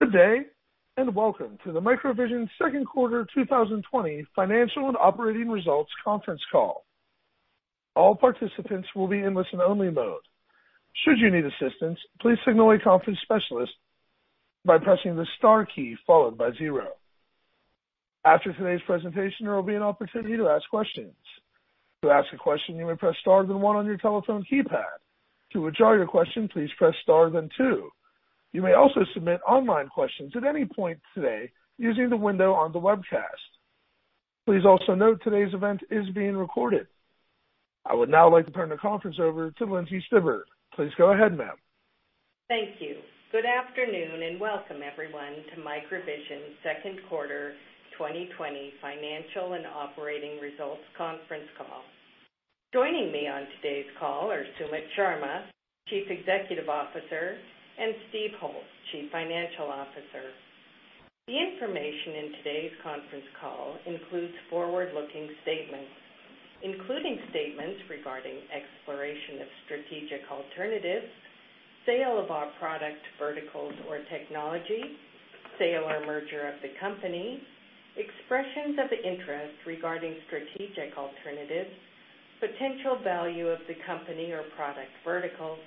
Good day, welcome to the MicroVision second quarter 2020 financial and operating results conference call. All participants will be in listen-only mode. Should you need assistance, please signal a conference specialist by pressing the star key followed by zero. After today's presentation, there will be an opportunity to ask questions. To ask a question, you may press star then one on your telephone keypad. To withdraw your question, please press star then two. You may also submit online questions at any point today using the window on the webcast. Please also note today's event is being recorded. I would now like to turn the conference over to Lindsey Stibbard. Please go ahead, ma'am. Thank you. Good afternoon, welcome everyone to MicroVision second quarter 2020 financial and operating results conference call. Joining me on today's call are Sumit Sharma, Chief Executive Officer, and Steve Holt, Chief Financial Officer. The information in today's conference call includes forward-looking statements, including statements regarding exploration of strategic alternatives, sale of our product verticals or technology, sale or merger of the company, expressions of interest regarding strategic alternatives, potential value of the company or product verticals,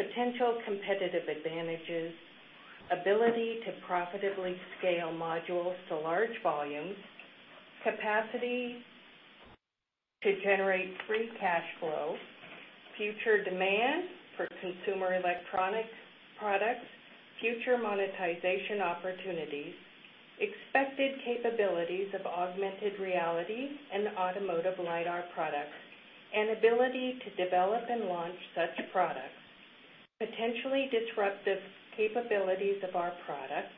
potential competitive advantages, ability to profitably scale modules to large volumes, capacity to generate free cash flow, future demand for consumer electronic products, future monetization opportunities, expected capabilities of augmented reality and automotive LiDAR products, and ability to develop and launch such products, potentially disruptive capabilities of our products,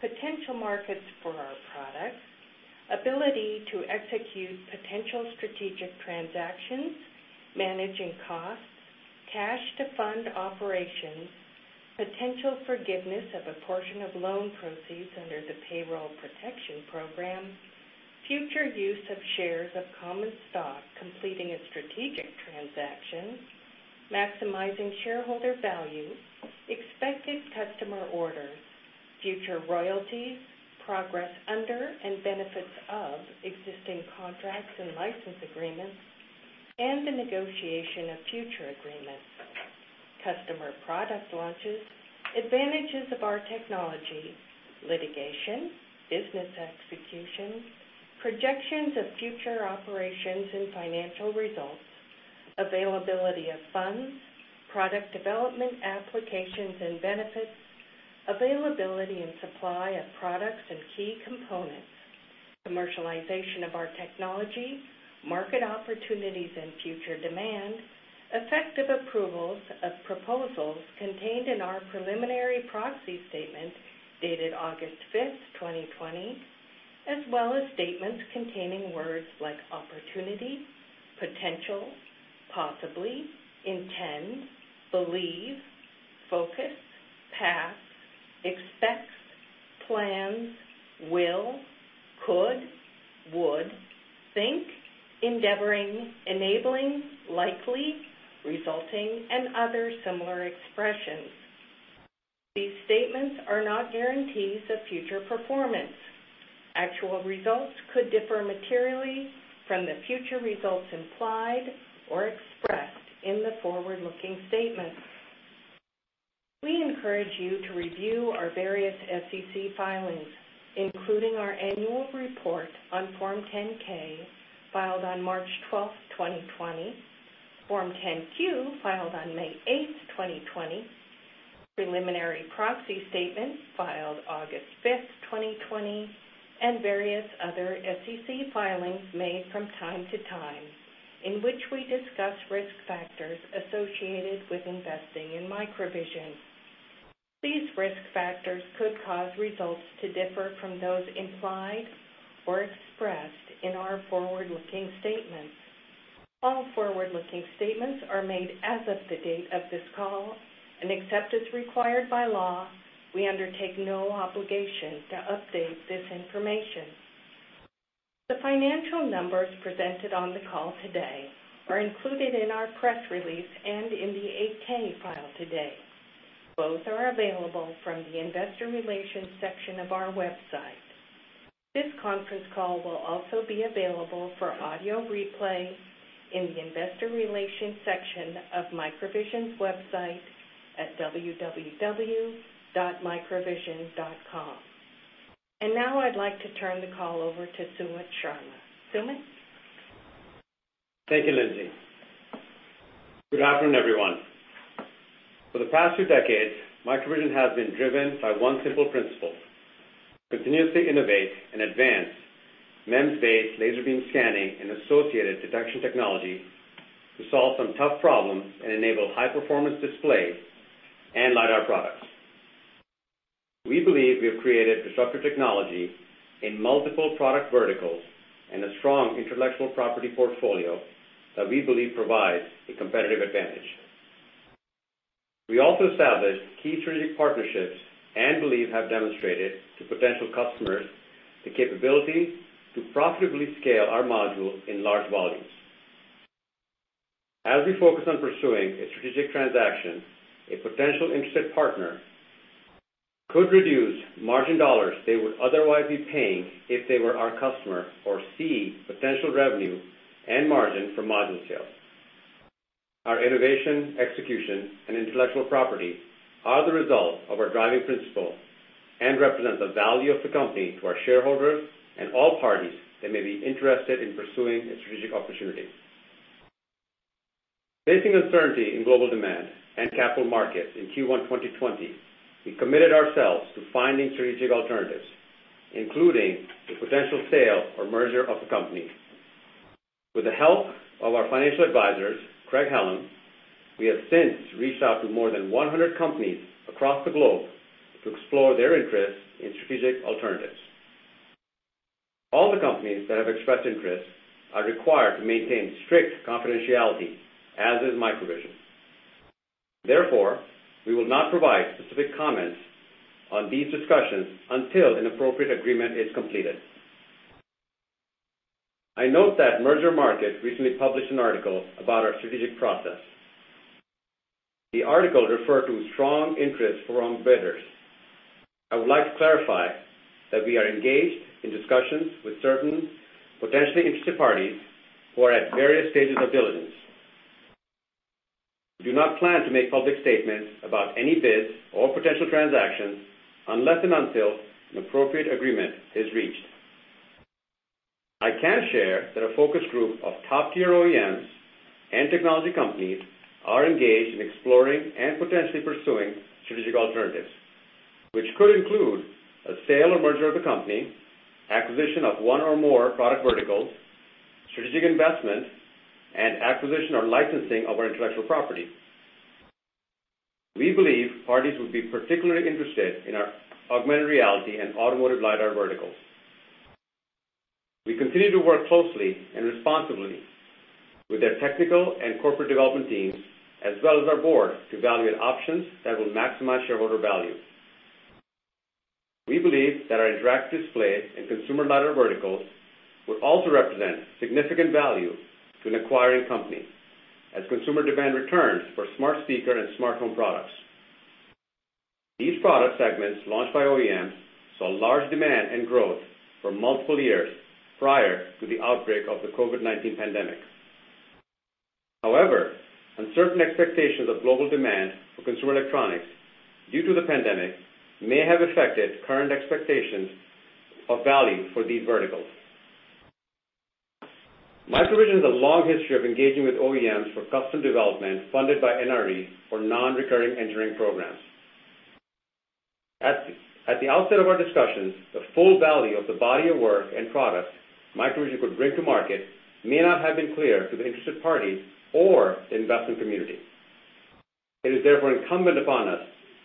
potential markets for our products, ability to execute potential strategic transactions, managing costs, cash to fund operations, potential forgiveness of a portion of loan proceeds under the Paycheck Protection Program, future use of shares of common stock, completing a strategic transaction, maximizing shareholder value, expected customer orders, future royalties, progress under and benefits of existing contracts and license agreements, and the negotiation of future agreements, customer product launches, advantages of our technology, litigation, business execution, projections of future operations and financial results, availability of funds, product development applications and benefits, availability and supply of products and key components, commercialization of our technology, market opportunities and future demand, effective approvals of proposals contained in our preliminary proxy statement dated August 5th, 2020, as well as statements containing words like opportunity, potential, possibly, intend, believe, focus, path, expects, plans, will, could, would, think, endeavoring, enabling, likely, resulting, and other similar expressions. These statements are not guarantees of future performance. Actual results could differ materially from the future results implied or expressed in the forward-looking statements. We encourage you to review our various SEC filings, including our annual report on Form 10-K filed on March 12th, 2020, Form 10-Q filed on May 8th, 2020, preliminary proxy statement filed August 5th, 2020, and various other SEC filings made from time to time, in which we discuss risk factors associated with investing in MicroVision. These risk factors could cause results to differ from those implied or expressed in our forward-looking statements. All forward-looking statements are made as of the date of this call, and except as required by law, we undertake no obligation to update this information. The financial numbers presented on the call today are included in our press release and in the 8-K filed today. Both are available from the investor relations section of our website. This conference call will also be available for audio replay in the investor relations section of MicroVision's website at www.microvision.com. Now I'd like to turn the call over to Sumit Sharma. Sumit? Thank you, Lindsey. Good afternoon, everyone. For the past few decades, MicroVision has been driven by one simple principle: continuously innovate and advance MEMS-based laser beam scanning and associated detection technology to solve some tough problems and enable high-performance display and LiDAR products. We believe we have created disruptive technology in multiple product verticals and a strong intellectual property portfolio that we believe provides a competitive advantage. We also established key strategic partnerships and believe have demonstrated to potential customers the capability to profitably scale our modules in large volumes. As we focus on pursuing a strategic transaction, a potential interested partner could reduce margin dollars they would otherwise be paying if they were our customer or see potential revenue and margin from module sales. Our innovation, execution, and intellectual property are the result of our driving principle and represent the value of the company to our shareholders and all parties that may be interested in pursuing a strategic opportunity. Facing uncertainty in global demand and capital markets in Q1 2020, we committed ourselves to finding strategic alternatives, including the potential sale or merger of the company. With the help of our financial advisors, Craig-Hallum, we have since reached out to more than 100 companies across the globe to explore their interest in strategic alternatives. All the companies that have expressed interest are required to maintain strict confidentiality, as is MicroVision. We will not provide specific comments on these discussions until an appropriate agreement is completed. I note that Mergermarket recently published an article about our strategic process. The article referred to strong interest from bidders. I would like to clarify that we are engaged in discussions with certain potentially interested parties who are at various stages of diligence. We do not plan to make public statements about any bids or potential transactions unless and until an appropriate agreement is reached. I can share that a focus group of top-tier OEMs and technology companies are engaged in exploring and potentially pursuing strategic alternatives, which could include a sale or merger of the company, acquisition of one or more product verticals, strategic investment, and acquisition or licensing of our intellectual property. We believe parties would be particularly interested in our augmented reality and automotive LiDAR verticals. We continue to work closely and responsibly with their technical and corporate development teams, as well as our board, to evaluate options that will maximize shareholder value. We believe that our interactive display and consumer LiDAR verticals would also represent significant value to an acquiring company as consumer demand returns for smart speaker and smart home products. These product segments launched by OEMs saw large demand and growth for multiple years prior to the outbreak of the COVID-19 pandemic. However, uncertain expectations of global demand for consumer electronics due to the pandemic may have affected current expectations of value for these verticals. MicroVision has a long history of engaging with OEMs for custom development funded by NREs or non-recurring engineering programs. At the outset of our discussions, the full value of the body of work and products MicroVision could bring to market may not have been clear to the interested parties or the investment community. It is therefore incumbent upon us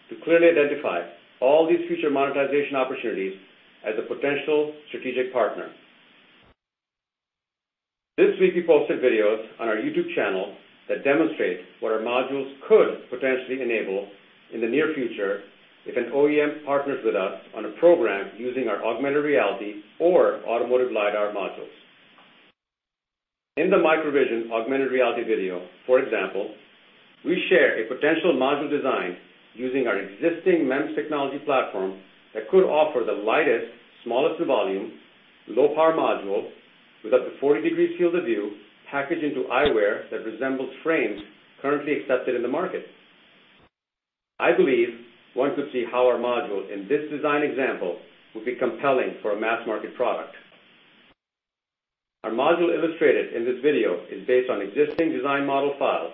to clearly identify all these future monetization opportunities as a potential strategic partner. This week, we posted videos on our YouTube channel that demonstrate what our modules could potentially enable in the near future if an OEM partners with us on a program using our augmented reality or automotive LiDAR modules. In the MicroVision augmented reality video, for example, we share a potential module design using our existing MEMS technology platform that could offer the lightest, smallest in volume, low-power module with up to 40-degree field of view packaged into eyewear that resembles frames currently accepted in the market. I believe one could see how our module in this design example would be compelling for a mass-market product. Our module illustrated in this video is based on existing design model files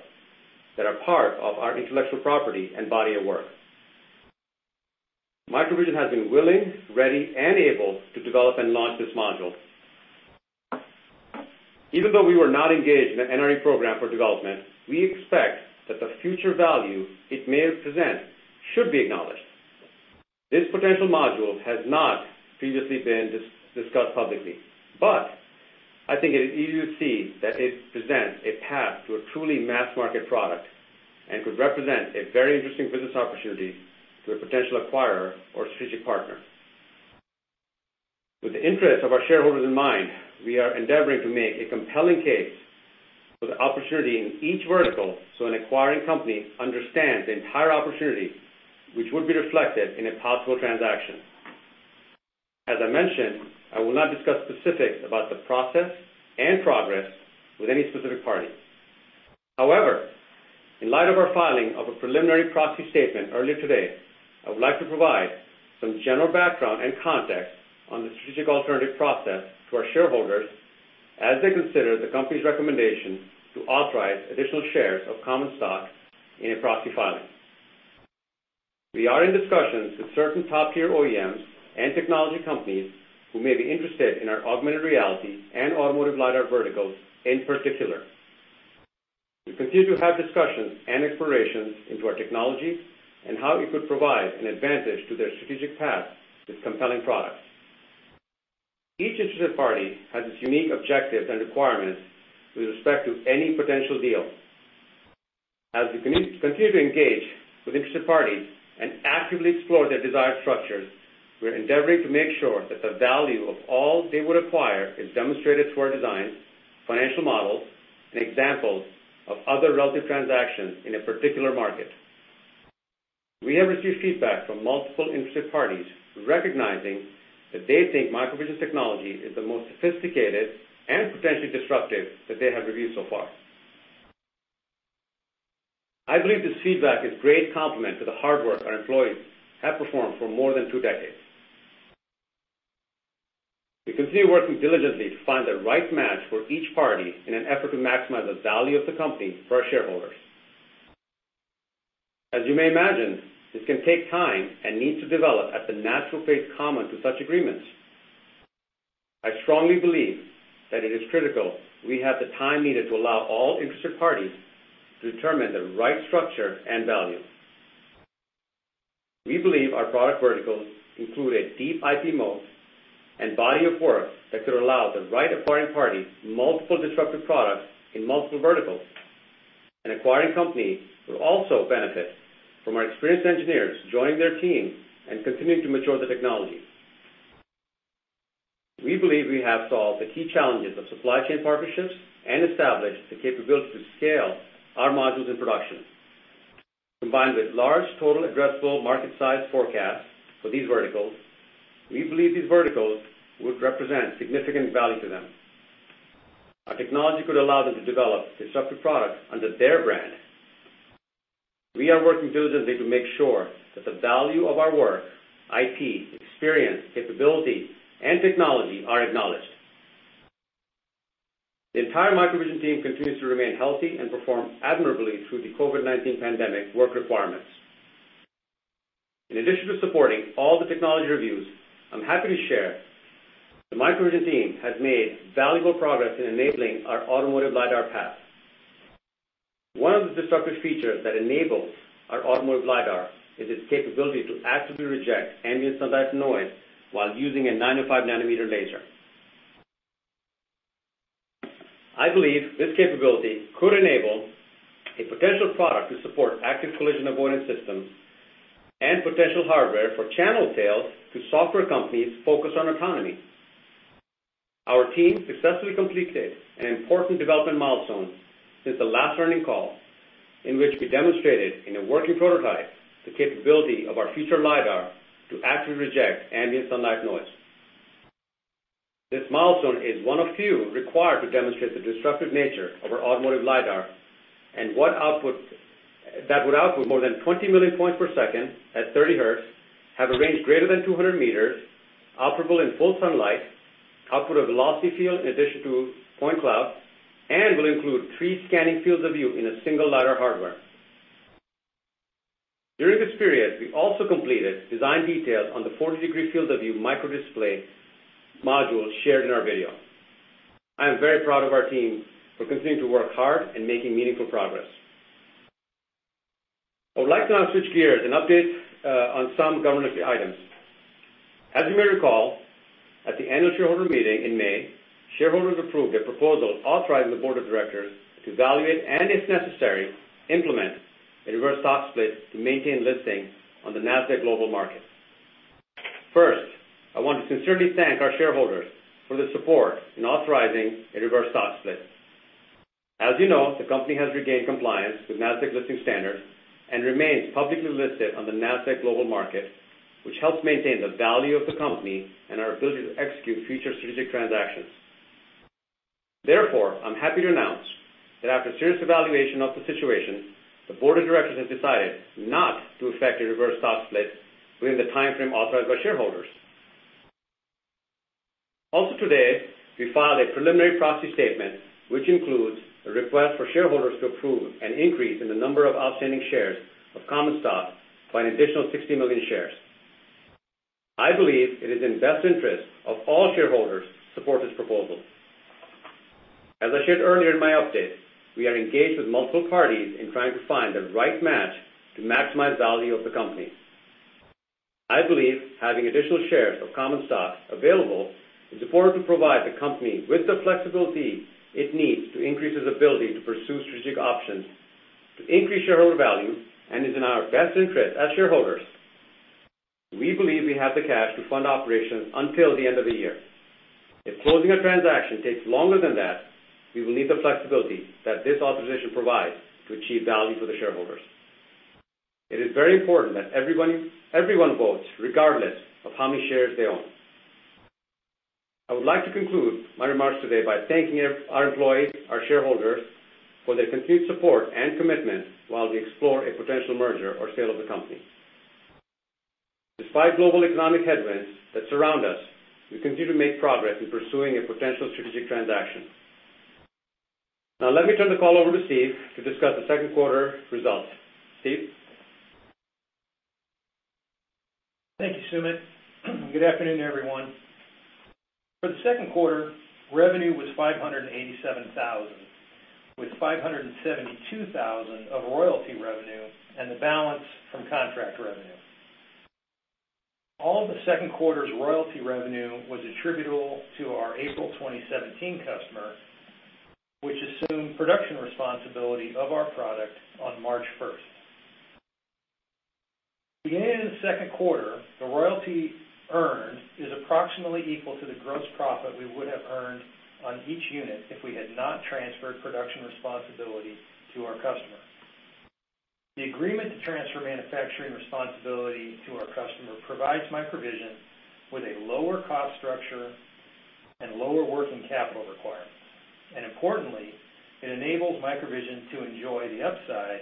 that are part of our intellectual property and body of work. MicroVision has been willing, ready, and able to develop and launch this module. Even though we were not engaged in an NRE program for development, we expect that the future value it may present should be acknowledged. This potential module has not previously been discussed publicly, but I think it is easy to see that it presents a path to a truly mass-market product and could represent a very interesting business opportunity to a potential acquirer or strategic partner. With the interest of our shareholders in mind, we are endeavoring to make a compelling case for the opportunity in each vertical so an acquiring company understands the entire opportunity which would be reflected in a possible transaction. As I mentioned, I will not discuss specifics about the process and progress with any specific party. However, in light of our filing of a preliminary proxy statement earlier today, I would like to provide some general background and context on the strategic alternative process to our shareholders as they consider the company's recommendation to authorize additional shares of common stock in a proxy filing. We are in discussions with certain top-tier OEMs and technology companies who may be interested in our augmented reality and automotive LiDAR verticals in particular. We continue to have discussions and explorations into our technology and how it could provide an advantage to their strategic path with compelling products. Each interested party has its unique objectives and requirements with respect to any potential deal. As we continue to engage with interested parties and actively explore their desired structures, we're endeavoring to make sure that the value of all they would acquire is demonstrated through our designs, financial models, and examples of other relative transactions in a particular market. We have received feedback from multiple interested parties recognizing that they think MicroVision's technology is the most sophisticated and potentially disruptive that they have reviewed so far. I believe this feedback is great compliment to the hard work our employees have performed for more than two decades. We continue working diligently to find the right match for each party in an effort to maximize the value of the company for our shareholders. As you may imagine, this can take time and needs to develop at the natural pace common to such agreements. I strongly believe that it is critical we have the time needed to allow all interested parties to determine the right structure and value. We believe our product verticals include a deep IP moat and body of work that could allow the right acquiring party multiple disruptive products in multiple verticals. An acquiring company will also benefit from our experienced engineers joining their team and continuing to mature the technology. We believe we have solved the key challenges of supply chain partnerships and established the capability to scale our modules and production. Combined with large total addressable market size forecasts for these verticals, we believe these verticals would represent significant value to them. Our technology could allow them to develop disruptive products under their brand. We are working diligently to make sure that the value of our work, IP, experience, capability, and technology are acknowledged. The entire MicroVision team continues to remain healthy and perform admirably through the COVID-19 pandemic work requirements. In addition to supporting all the technology reviews, I'm happy to share, the MicroVision team has made valuable progress in enabling our automotive LiDAR path. One of the disruptive features that enables our automotive LiDAR is its capability to actively reject ambient sunlight noise while using a 905 nanometer laser. I believe this capability could enable a potential product to support active collision avoidance systems and potential hardware for channel sales to software companies focused on autonomy. Our team successfully completed an important development milestone since the last earning call, in which we demonstrated, in a working prototype, the capability of our future LiDAR to actively reject ambient sunlight noise. This milestone is one of few required to demonstrate the disruptive nature of our automotive LiDAR that would output more than 20 million points per second at 30 hertz, have a range greater than 200 meters, operable in full sunlight, output a velocity field in addition to point cloud, and will include three scanning fields of view in a single LiDAR hardware. During this period, we also completed design details on the 40-degree field of view microdisplay module shared in our video. I am very proud of our team for continuing to work hard and making meaningful progress. I would like to now switch gears and update on some governance items. As you may recall, at the annual shareholder meeting in May, shareholders approved a proposal authorizing the board of directors to evaluate, and if necessary, implement a reverse stock split to maintain listing on the Nasdaq Global Market. First, I want to sincerely thank our shareholders for their support in authorizing a reverse stock split. As you know, the company has regained compliance with Nasdaq listing standards and remains publicly listed on the Nasdaq Global Market, which helps maintain the value of the company and our ability to execute future strategic transactions. Therefore, I'm happy to announce that after serious evaluation of the situation, the board of directors has decided not to effect a reverse stock split within the timeframe authorized by shareholders. Also today, we filed a preliminary proxy statement, which includes a request for shareholders to approve an increase in the number of outstanding shares of common stock by an additional 60 million shares. I believe it is in best interest of all shareholders to support this proposal. As I shared earlier in my update, we are engaged with multiple parties in trying to find the right match to maximize value of the company. I believe having additional shares of common stock available is important to provide the company with the flexibility it needs to increase its ability to pursue strategic options to increase shareholder value and is in our best interest as shareholders. We believe we have the cash to fund operations until the end of the year. If closing a transaction takes longer than that, we will need the flexibility that this authorization provides to achieve value for the shareholders. It is very important that everyone votes regardless of how many shares they own. I would like to conclude my remarks today by thanking our employees, our shareholders, for their continued support and commitment while we explore a potential merger or sale of the company. Despite global economic headwinds that surround us, we continue to make progress in pursuing a potential strategic transaction. Now let me turn the call over to Steve to discuss the second quarter results. Steve? Thank you, Sumit. Good afternoon, everyone. For the second quarter, revenue was $587,000, with $572,000 of royalty revenue and the balance from contract revenue. All of the second quarter's royalty revenue was attributable to our April 2017 customer, which assumed production responsibility of our product on March 1st. Beginning in the second quarter, the royalty earned is approximately equal to the gross profit we would have earned on each unit if we had not transferred production responsibility to our customer. The agreement to transfer manufacturing responsibility to our customer provides MicroVision with a lower cost structure and lower working capital requirements. Importantly, it enables MicroVision to enjoy the upside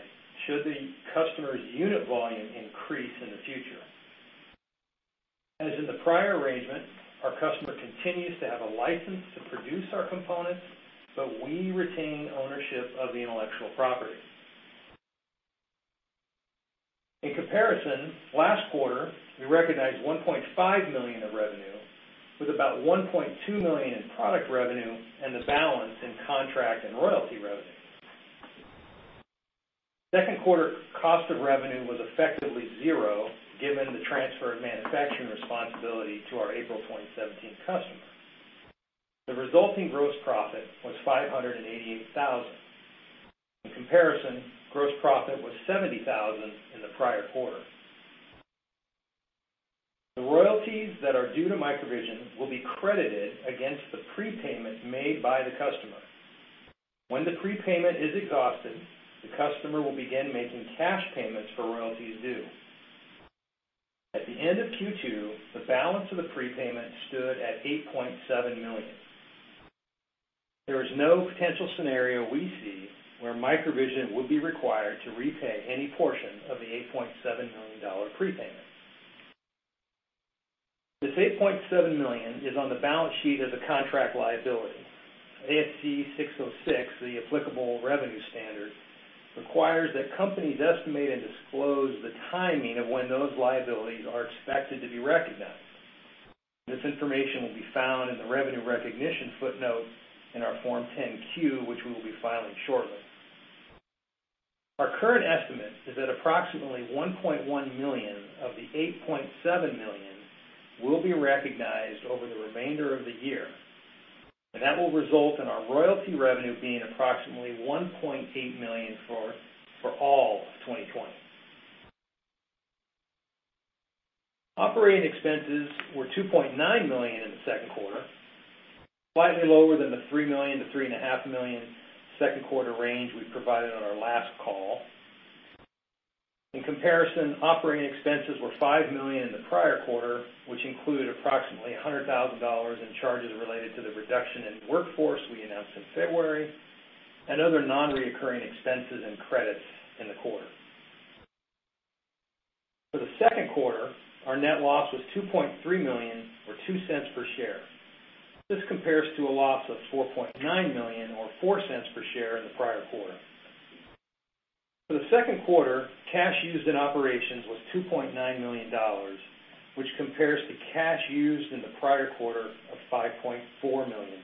should the customer's unit volume increase in the future. As in the prior arrangement, our customer continues to have a license to produce our components, but we retain ownership of the intellectual property. In comparison, last quarter, we recognized $1.5 million of revenue, with about $1.2 million in product revenue, and the balance in contract and royalty revenue. Second quarter cost of revenue was effectively zero, given the transfer of manufacturing responsibility to our April 2017 customer. The resulting gross profit was $588,000. In comparison, gross profit was $70,000 in the prior quarter. The royalties that are due to MicroVision will be credited against the prepayment made by the customer. When the prepayment is exhausted, the customer will begin making cash payments for royalties due. At the end of Q2, the balance of the prepayment stood at $8.7 million. There is no potential scenario we see where MicroVision would be required to repay any portion of the $8.7 million prepayment. This $8.7 million is on the balance sheet as a contract liability. ASC 606, the applicable revenue standard, requires that companies estimate and disclose the timing of when those liabilities are expected to be recognized. This information will be found in the revenue recognition footnotes in our Form 10-Q, which we will be filing shortly. Our current estimate is that approximately $1.1 million of the $8.7 million will be recognized over the remainder of the year. That will result in our royalty revenue being approximately $1.8 million for all of 2020. Operating expenses were $2.9 million in the second quarter, slightly lower than the $3 million-$3.5 million second quarter range we provided on our last call. In comparison, operating expenses were $5 million in the prior quarter, which include approximately $100,000 in charges related to the reduction in workforce we announced in February, and other non-reoccurring expenses and credits in the quarter. For the second quarter, our net loss was $2.3 million or $0.02 per share. This compares to a loss of $4.9 million or $0.04 per share in the prior quarter. For the second quarter, cash used in operations was $2.9 million, which compares to cash used in the prior quarter of $5.4 million.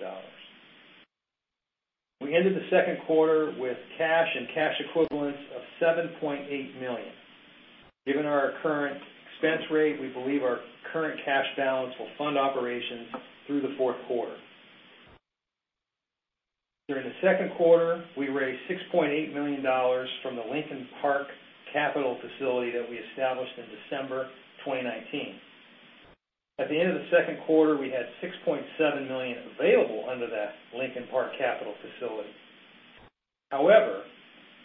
We ended the second quarter with cash and cash equivalents of $7.8 million. Given our current expense rate, we believe our current cash balance will fund operations through the fourth quarter. During the second quarter, we raised $6.8 million from the Lincoln Park Capital facility that we established in December 2019. At the end of the second quarter, we had $6.7 million available under that Lincoln Park Capital facility. However,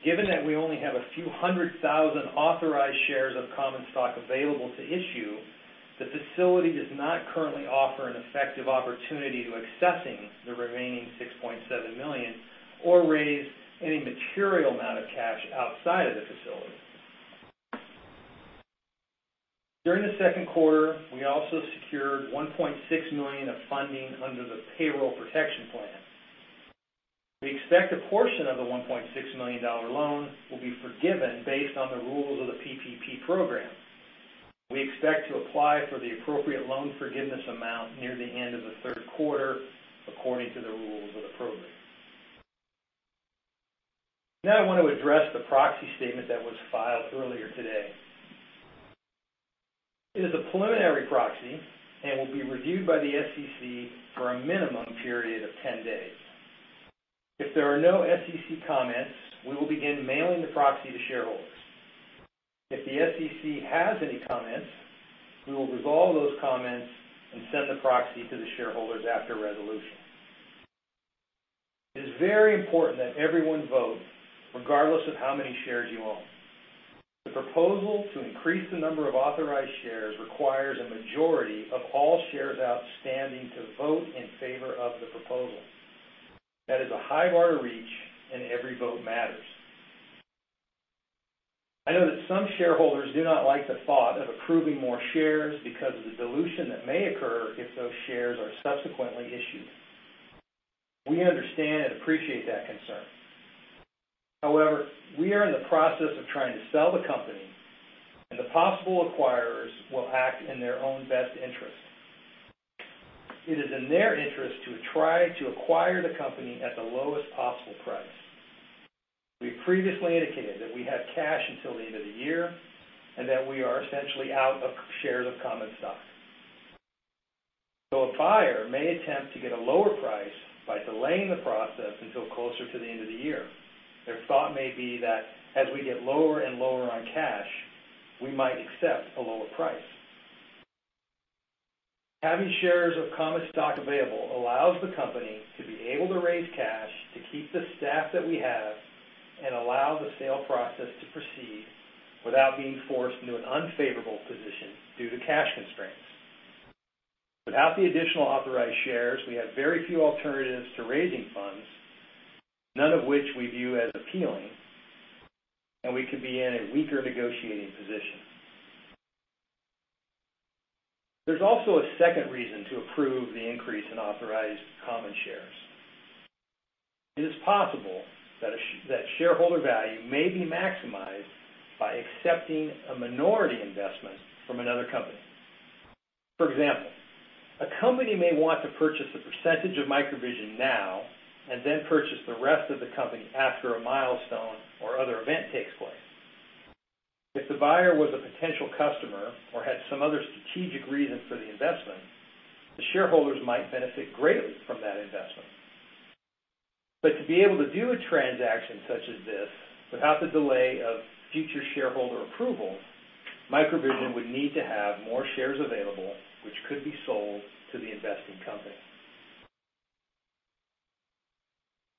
given that we only have a few hundred thousand authorized shares of common stock available to issue, the facility does not currently offer an effective opportunity to accessing the remaining $6.7 million or raise any material amount of cash outside of the facility. During the second quarter, we also secured $1.6 million of funding under the Paycheck Protection Program. We expect a portion of the $1.6 million loan will be forgiven based on the rules of the PPP program. We expect to apply for the appropriate loan forgiveness amount near the end of the third quarter, according to the rules of the program. Now I want to address the proxy statement that was filed earlier today. It is a preliminary proxy and will be reviewed by the SEC for a minimum period of 10 days. If there are no SEC comments, we will begin mailing the proxy to shareholders. If the SEC has any comments, we will resolve those comments and send the proxy to the shareholders after resolution. It is very important that everyone vote, regardless of how many shares you own. The proposal to increase the number of authorized shares requires a majority of all shares outstanding to vote in favor of the proposal. That is a high bar to reach, and every vote matters. I know that some shareholders do not like the thought of approving more shares because of the dilution that may occur if those shares are subsequently issued. We understand and appreciate that concern. However, we are in the process of trying to sell the company, and the possible acquirers will act in their own interest to try to acquire the company at the lowest possible price. We previously indicated that we have cash until the end of the year, and that we are essentially out of shares of common stock. A buyer may attempt to get a lower price by delaying the process until closer to the end of the year. Their thought may be that as we get lower and lower on cash, we might accept a lower price. Having shares of common stock available allows the company to be able to raise cash to keep the staff that we have and allow the sale process to proceed without being forced into an unfavorable position due to cash constraints. Without the additional authorized shares, we have very few alternatives to raising funds, none of which we view as appealing, and we could be in a weaker negotiating position. There's also a second reason to approve the increase in authorized common shares. It is possible that shareholder value may be maximized by accepting a minority investment from another company. For example, a company may want to purchase a percentage of MicroVision now and then purchase the rest of the company after a milestone or other event takes place. If the buyer was a potential customer or had some other strategic reason for the investment, the shareholders might benefit greatly from that investment. To be able to do a transaction such as this without the delay of future shareholder approval, MicroVision would need to have more shares available, which could be sold to the investing company.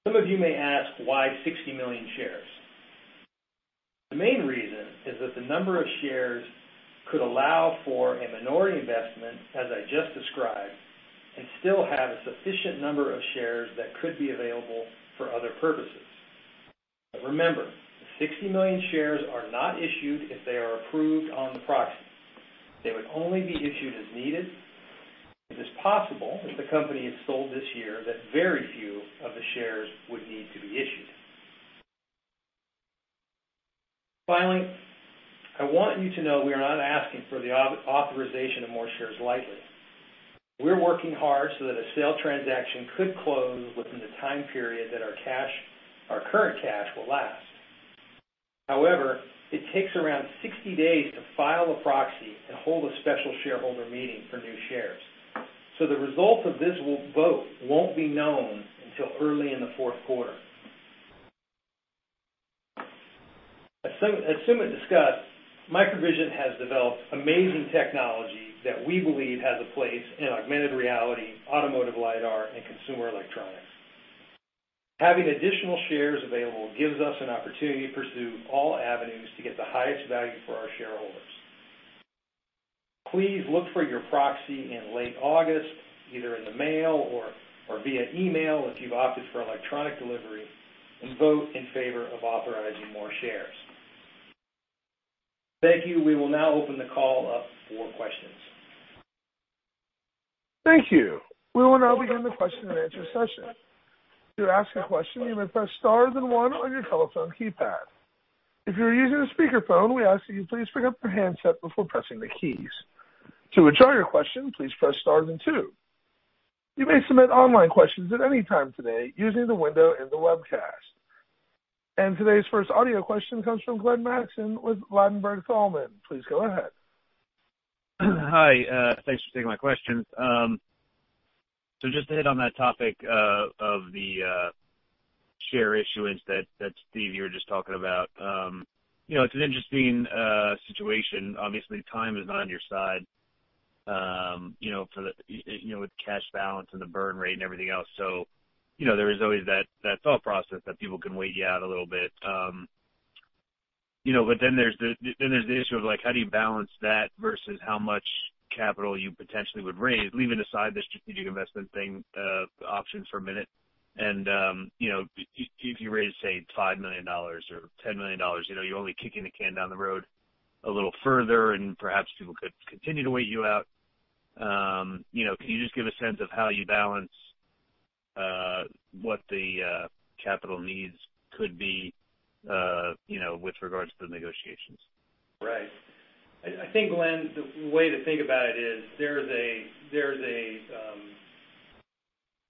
Some of you may ask why 60 million shares. The main reason is that the number of shares could allow for a minority investment, as I just described, and still have a sufficient number of shares that could be available for other purposes. Remember, 60 million shares are not issued if they are approved on the proxy. They would only be issued as needed. It is possible if the company is sold this year that very few of the shares would need to be issued. Finally, I want you to know we are not asking for the authorization of more shares lightly. We're working hard so that a sale transaction could close within the time period that our current cash will last. However, it takes around 60 days to file a proxy and hold a special shareholder meeting for new shares. The results of this vote won't be known until early in the fourth quarter. As Sumit discussed, MicroVision has developed amazing technology that we believe has a place in augmented reality, automotive LiDAR, and consumer electronics. Having additional shares available gives us an opportunity to pursue all avenues to get the highest value for our shareholders. Please look for your proxy in late August, either in the mail or via email if you've opted for electronic delivery, and vote in favor of authorizing more shares. Thank you. We will now open the call up for questions. Thank you. We will now begin the question and answer session. To ask a question, you may press star then one on your telephone keypad. If you're using a speakerphone, we ask that you please pick up your handset before pressing the keys. To withdraw your question, please press star then two. You may submit online questions at any time today using the window in the webcast. Today's first audio question comes from Glenn Mattson with Ladenburg Thalmann. Please go ahead. Hi, thanks for taking my questions. Just to hit on that topic of the share issuance that, Steve, you were just talking about. It's an interesting situation. Obviously, time is not on your side with the cash balance and the burn rate and everything else. There's the issue of how do you balance that versus how much capital you potentially would raise, leaving aside the strategic investment thing option for a minute. If you raise, say, $5 million or $10 million, you're only kicking the can down the road a little further, and perhaps people could continue to wait you out. Can you just give a sense of how you balance what the capital needs could be with regards to the negotiations? Right. I think, Glenn Mattson, the way to think about it is there's a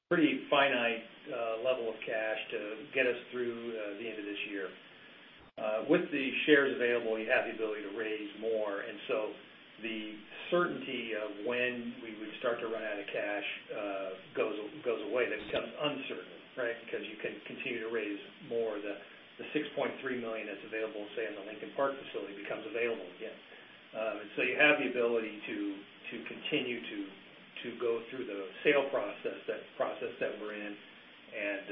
pretty finite level of cash to get us through the end of this year. With the shares available, you have the ability to raise more, and so the certainty of when we would start to run out of cash goes away. That becomes uncertain, right? Because you can continue to raise more. The $6.3 million that's available, say, in the Lincoln Park facility becomes available again. You have the ability to continue to go through the sale process, that process that we're in, and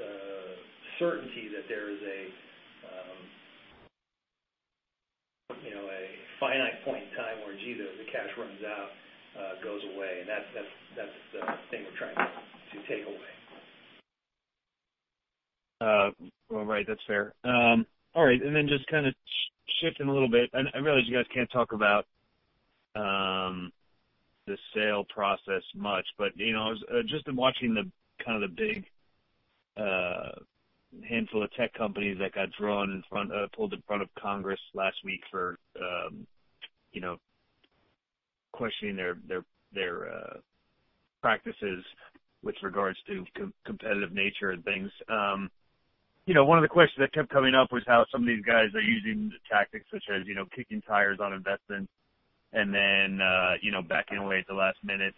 the certainty that there is a finite point in time where, gee, the cash runs out, goes away, and that's the thing we're trying to take away. All right. That's fair. All right. Then just kind of shifting a little bit, I realize you guys can't talk about the sale process much, but just in watching kind of the big handful of tech companies that got pulled in front of Congress last week for questioning their practices with regards to competitive nature and things. One of the questions that kept coming up was how some of these guys are using tactics such as kicking tires on investments and then backing away at the last minute.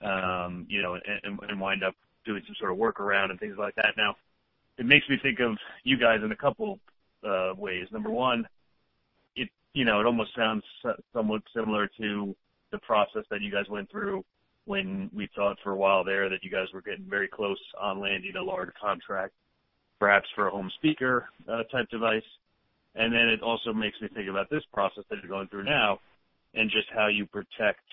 Wind up doing some sort of workaround and things like that. It makes me think of you guys in a couple ways. Number one, it almost sounds somewhat similar to the process that you guys went through when we thought for a while there that you guys were getting very close on landing a large contract, perhaps for a home speaker type device. It also makes me think about this process that you're going through now and just how you protect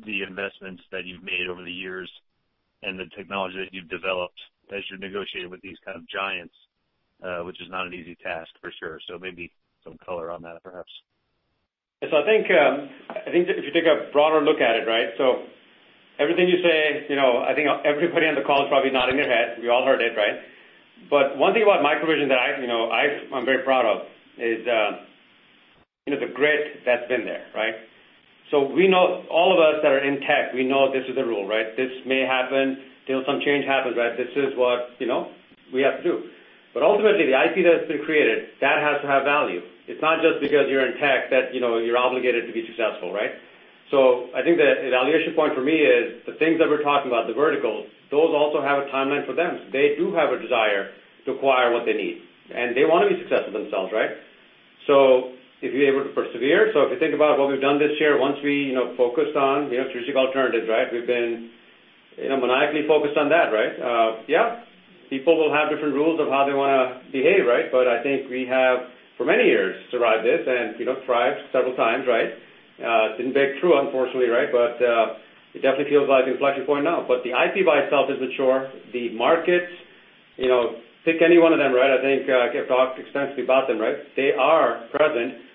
the investments that you've made over the years and the technology that you've developed as you're negotiating with these kind of giants, which is not an easy task for sure. Maybe some color on that, perhaps. I think if you take a broader look at it, right? Everything you say, I think everybody on the call is probably nodding their head. We all heard it, right? One thing about MicroVision that I'm very proud of is the grit that's been there, right? We know all of us that are in tech, we know this is the rule, right? This may happen till some change happens, right? This is what we have to do. Ultimately, the IP that's been created, that has to have value. It's not just because you're in tech that you're obligated to be successful, right? I think the evaluation point for me is the things that we're talking about, the verticals, those also have a timeline for them. They do have a desire to acquire what they need, and they want to be successful themselves, right? If you're able to persevere, if you think about what we've done this year, once we focused on strategic alternatives, right, we've been maniacally focused on that, right? Yeah. People will have different rules of how they want to behave, right? I think we have for many years survived this and thrived several times, right? Didn't break through, unfortunately, right? It definitely feels like inflection point now. The IP by itself is mature. The markets, pick any one of them, right? I think I've talked extensively about them, right? They are present.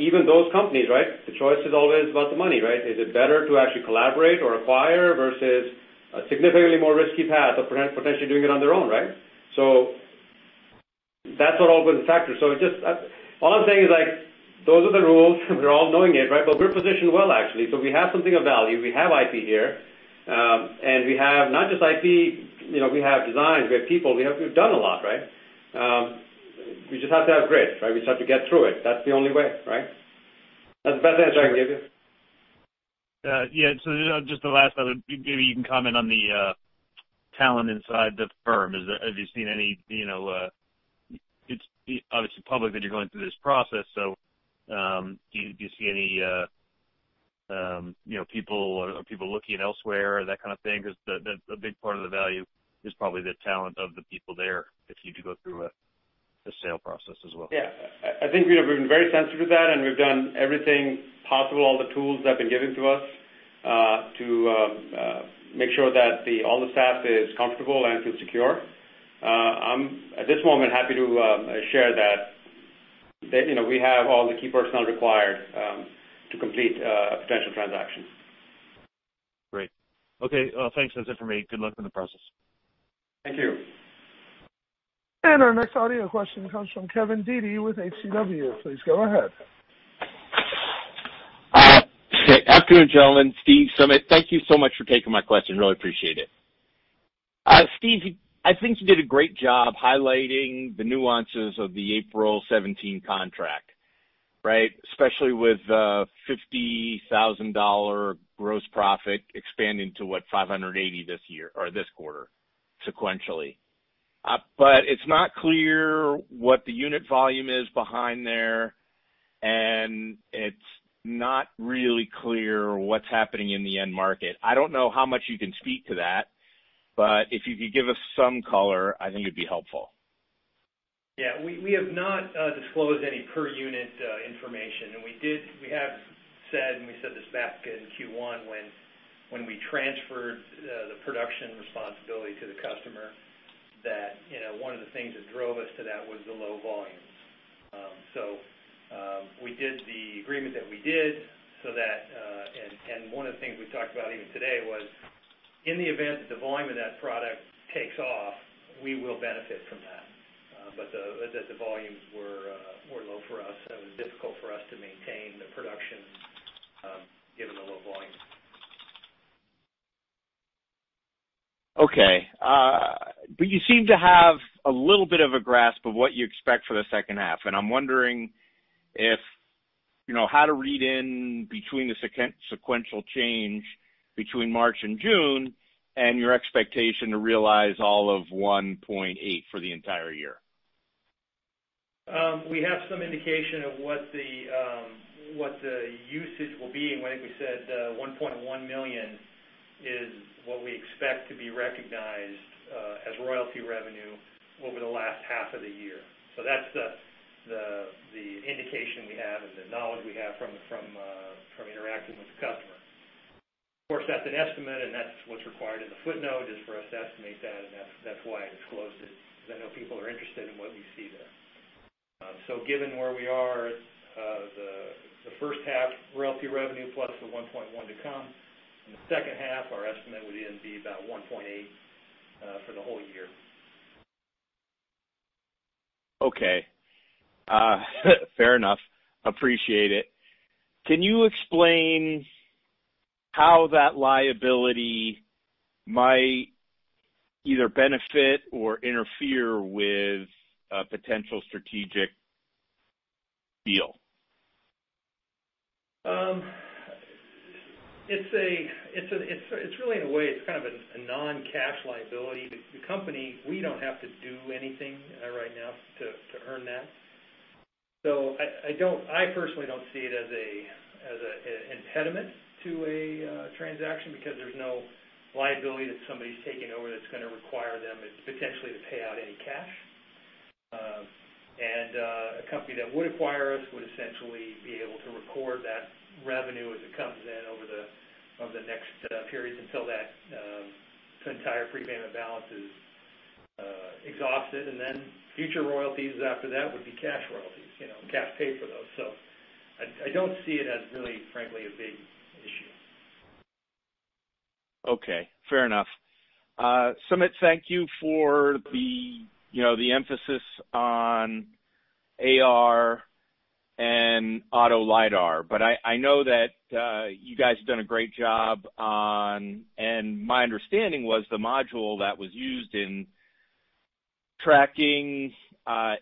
Even those companies, right, the choice is always about the money, right? Is it better to actually collaborate or acquire versus a significantly more risky path of potentially doing it on their own, right? That's what all goes into factor. All I'm saying is those are the rules. We're all knowing it, right? We're positioned well, actually. We have something of value. We have IP here, and we have not just IP, we have designs, we have people. We've done a lot, right? We just have to have grit, right? We just have to get through it. That's the only way, right? That's the best answer I can give you. Yeah. Just the last other, maybe you can comment on the talent inside the firm. It's obviously public that you're going through this process. Do you see any people, or are people looking elsewhere or that kind of thing? Because a big part of the value is probably the talent of the people there if you do go through a sale process as well. I think we have been very sensitive to that, and we've done everything possible, all the tools that have been given to us, to make sure that all the staff is comfortable and feel secure. I'm at this moment happy to share that we have all the key personnel required to complete a potential transaction. Great. Okay. Thanks. That's it for me. Good luck in the process. Thank you. Our next audio question comes from Kevin Dede with HCW. Please go ahead. Afternoon, gentlemen. Steve, Sumit. Thank you so much for taking my question. Really appreciate it. Steve, I think you did a great job highlighting the nuances of the April 17th contract, right? Especially with $50,000 gross profit expanding to what, $580 this year or this quarter sequentially. It's not clear what the unit volume is behind there, and it's not really clear what's happening in the end market. I don't know how much you can speak to that, but if you could give us some color, I think it'd be helpful. Yeah. We have not disclosed any per unit information. We have said, and we said this back in Q1 when we transferred the production responsibility to the customer, that one of the things that drove us to that was the low volumes. We did the agreement that we did. One of the things we talked about even today was in the event that the volume of that product takes off, we will benefit from that. That the volumes were low for us, so it was difficult for us to maintain the production given the low volumes. Okay. You seem to have a little bit of a grasp of what you expect for the second half, and I'm wondering how to read in between the sequential change between March and June and your expectation to realize all of $1.8 million for the entire year. We have some indication of what the usage will be, and I think we said $1.1 million is what we expect to be recognized as royalty revenue over the last half of the year. That's the indication we have and the knowledge we have from interacting with the customer. Of course, that's an estimate, and that's what's required in the footnote is for us to estimate that, and that's why I disclosed it, because I know people are interested in what we see there. Given where we are, the first half royalty revenue plus the $1.1 million to come, and the second half, our estimate would then be about $1.8 million for the whole year. Okay. Fair enough. Appreciate it. Can you explain how that liability might either benefit or interfere with a potential strategic deal? It's really in a way, it's kind of a non-cash liability. The company, we don't have to do anything right now to earn that. I personally don't see it as an impediment to a transaction because there's no liability that somebody's taking over that's going to require them potentially to pay out any cash. A company that would acquire us would essentially be able to record that revenue as it comes in over the next periods until that entire prepayment balance is exhausted, and then future royalties after that would be cash royalties, cash paid for those. I don't see it as really, frankly, a big issue. Okay. Fair enough. Sumit, thank you for the emphasis on AR and auto LiDAR. I know that you guys have done a great job on, and my understanding was the module that was used in tracking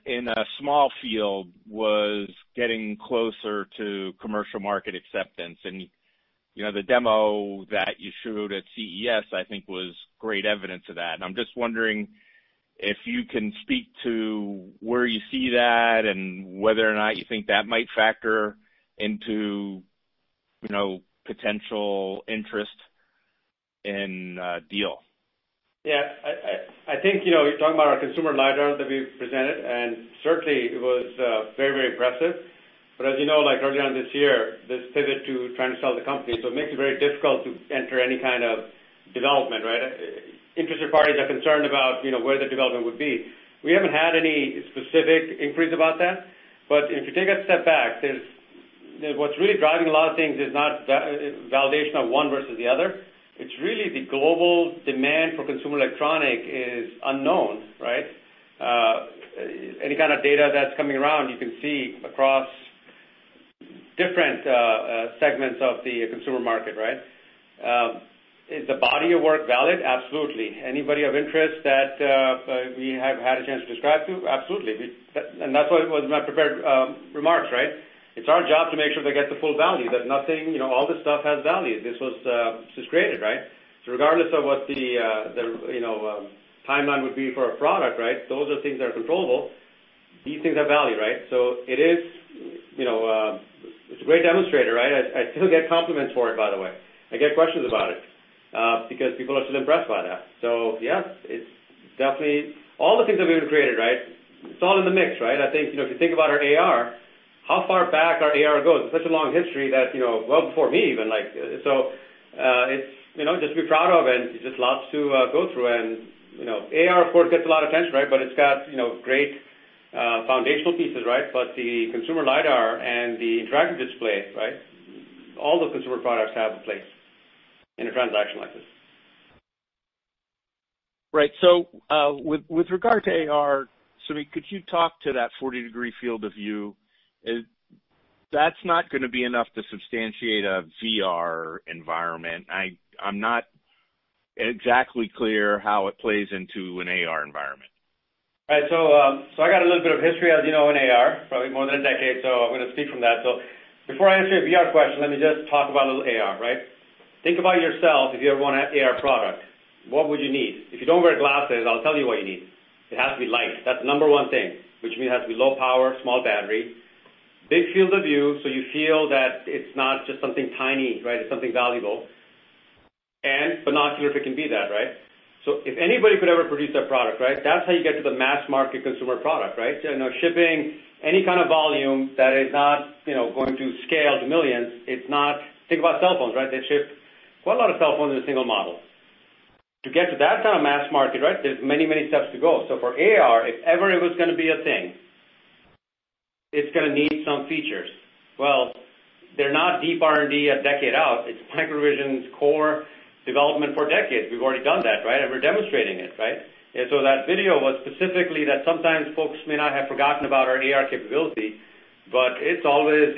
in a small field was getting closer to commercial market acceptance. The demo that you showed at CES, I think, was great evidence of that. I'm just wondering if you can speak to where you see that and whether or not you think that might factor into potential interest in a deal. Yeah. I think, you're talking about our consumer LiDAR that we presented, and certainly it was very, very impressive. As you know, early on this year, this pivot to trying to sell the company. It makes it very difficult to enter any kind of development, right? Interested parties are concerned about where the development would be. We haven't had any specific inquiries about that. If you take a step back, what's really driving a lot of things is not validation of one versus the other. It's really the global demand for consumer electronic is unknown, right? Any kind of data that's coming around, you can see across different segments of the consumer market, right? Is the body of work valid? Absolutely. Anybody of interest that we have had a chance to describe to? Absolutely. That's what was in my prepared remarks, right? It's our job to make sure they get the full value, that nothing-- All this stuff has value. This was created, right? Regardless of what the timeline would be for a product, right, those are things that are controllable. These things have value, right? It's a great demonstrator, right? I still get compliments for it, by the way. I get questions about it because people are still impressed by that. Yeah, it's definitely all the things that we've created, right? It's all in the mix, right? I think, if you think about our AR, how far back our AR goes, it's such a long history that well before me even like. Just to be proud of, and just lots to go through and AR, of course, gets a lot of attention, right? It's got great foundational pieces, right? The consumer LiDAR and the interactive display, all those consumer products have a place in a transaction like this. Right. With regard to AR, Sumit, could you talk to that 40-degree field of view? That's not going to be enough to substantiate a VR environment. I'm not exactly clear how it plays into an AR environment. Right. I got a little bit of history as you know, in AR, probably more than a decade, so I'm going to speak from that. Before I answer your VR question, let me just talk about a little AR, right? Think about yourself if you ever want an AR product. What would you need? If you don't wear glasses, I'll tell you what you need. It has to be light. That's number 1 thing, which means it has to be low power, small battery. Big field of view, so you feel that it's not just something tiny, right? It's something valuable. Binocular, if it can be that, right? If anybody could ever produce that product, right, that's how you get to the mass market consumer product, right? Shipping any kind of volume that is not going to scale to millions. Think about cell phones, right? They ship quite a lot of cell phones in a single model. To get to that kind of mass market, right, there's many, many steps to go. For AR, if ever it was going to be a thing, it's going to need some features. They're not deep R&D a decade out. It's MicroVision's core development for decades. We've already done that, right? We're demonstrating it, right? That video was specifically that sometimes folks may not have forgotten about our AR capability, but it's always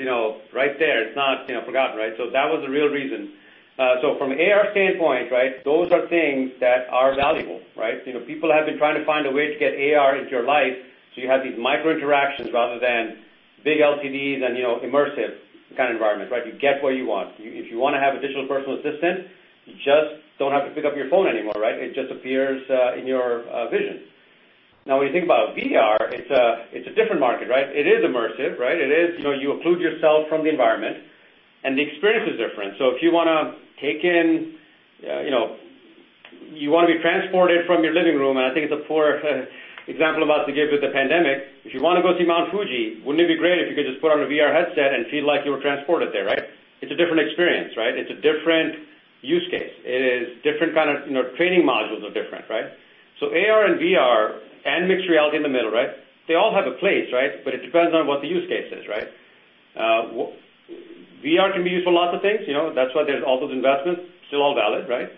right there. It's not forgotten, right? That was the real reason. From AR standpoint, right, those are things that are valuable, right? People have been trying to find a way to get AR into your life, so you have these micro interactions rather than big LCDs and immersive kind of environments, right? You get what you want. If you want to have a digital personal assistant, you just don't have to pick up your phone anymore, right? It just appears in your vision. When you think about VR, it's a different market, right? It is immersive, right? You occlude yourself from the environment, and the experience is different. If you want to be transported from your living room, and I think it's a poor example about to give with the pandemic. If you want to go see Mount Fuji, wouldn't it be great if you could just put on a VR headset and feel like you were transported there, right? It's a different experience, right? It's a different-use case. It is different kind of training modules are different, right? AR and VR and mixed reality in the middle, right? They all have a place, right? It depends on what the use case is. VR can be used for lots of things. That's why there's all those investments, still all valid, right?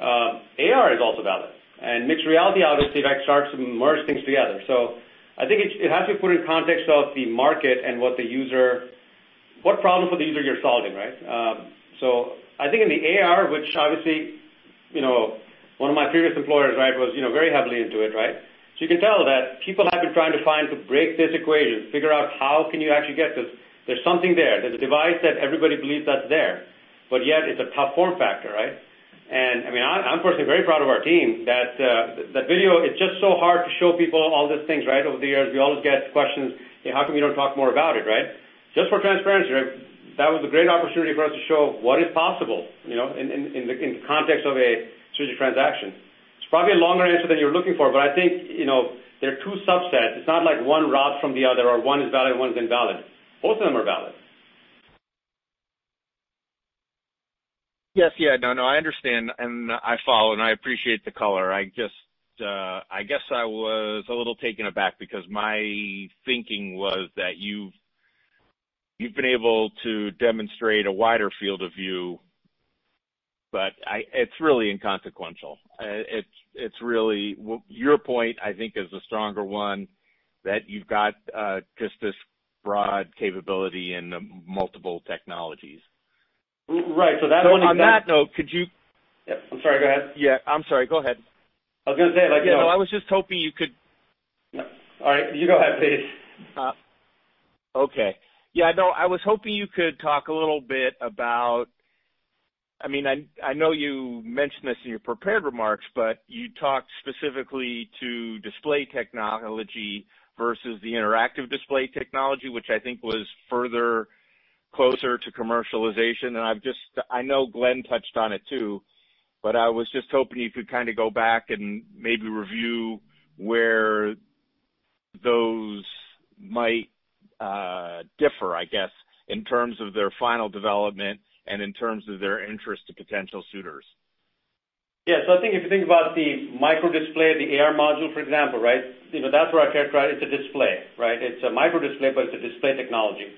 AR is also valid, and mixed reality, obviously, starts to merge things together. I think it has to be put in context of the market and what problem for the user you're solving, right? I think in the AR, which obviously, one of my previous employers was very heavily into it, right? You can tell that people have been trying to find to break this equation, figure out how can you actually get this. There's something there. There's a device that everybody believes that's there, but yet it's a top four factor, right? I'm personally very proud of our team. That video, it's just so hard to show people all these things over the years. We always get questions, "Hey, how come you don't talk more about it?" Just for transparency, that was a great opportunity for us to show what is possible, in the context of a strategic transaction. It's probably a longer answer than you're looking for, but I think there are two subsets. It's not like one robs from the other or one is valid and one is invalid. Both of them are valid. Yes. No, I understand, and I follow, and I appreciate the color. I guess I was a little taken aback because my thinking was that you've been able to demonstrate a wider field of view, but it's really inconsequential. Your point, I think, is a stronger one, that you've got just this broad capability in the multiple technologies. Right. On that note. Yep. I'm sorry, go ahead. Yeah. I'm sorry, go ahead. I was going to say, like- No, I was just hoping you could. All right. You go ahead, please. Okay. Yeah, no, I was hoping you could talk a little bit about I know you mentioned this in your prepared remarks, but you talked specifically to display technology versus the interactive display technology, which I think was further closer to commercialization. I know Glenn touched on it too, but I was just hoping you could go back and maybe review where those might differ, I guess, in terms of their final development and in terms of their interest to potential suitors. I think if you think about the microdisplay, the AR module, for example, that's where I characterize it's a display, right? It's a microdisplay, it's a display technology.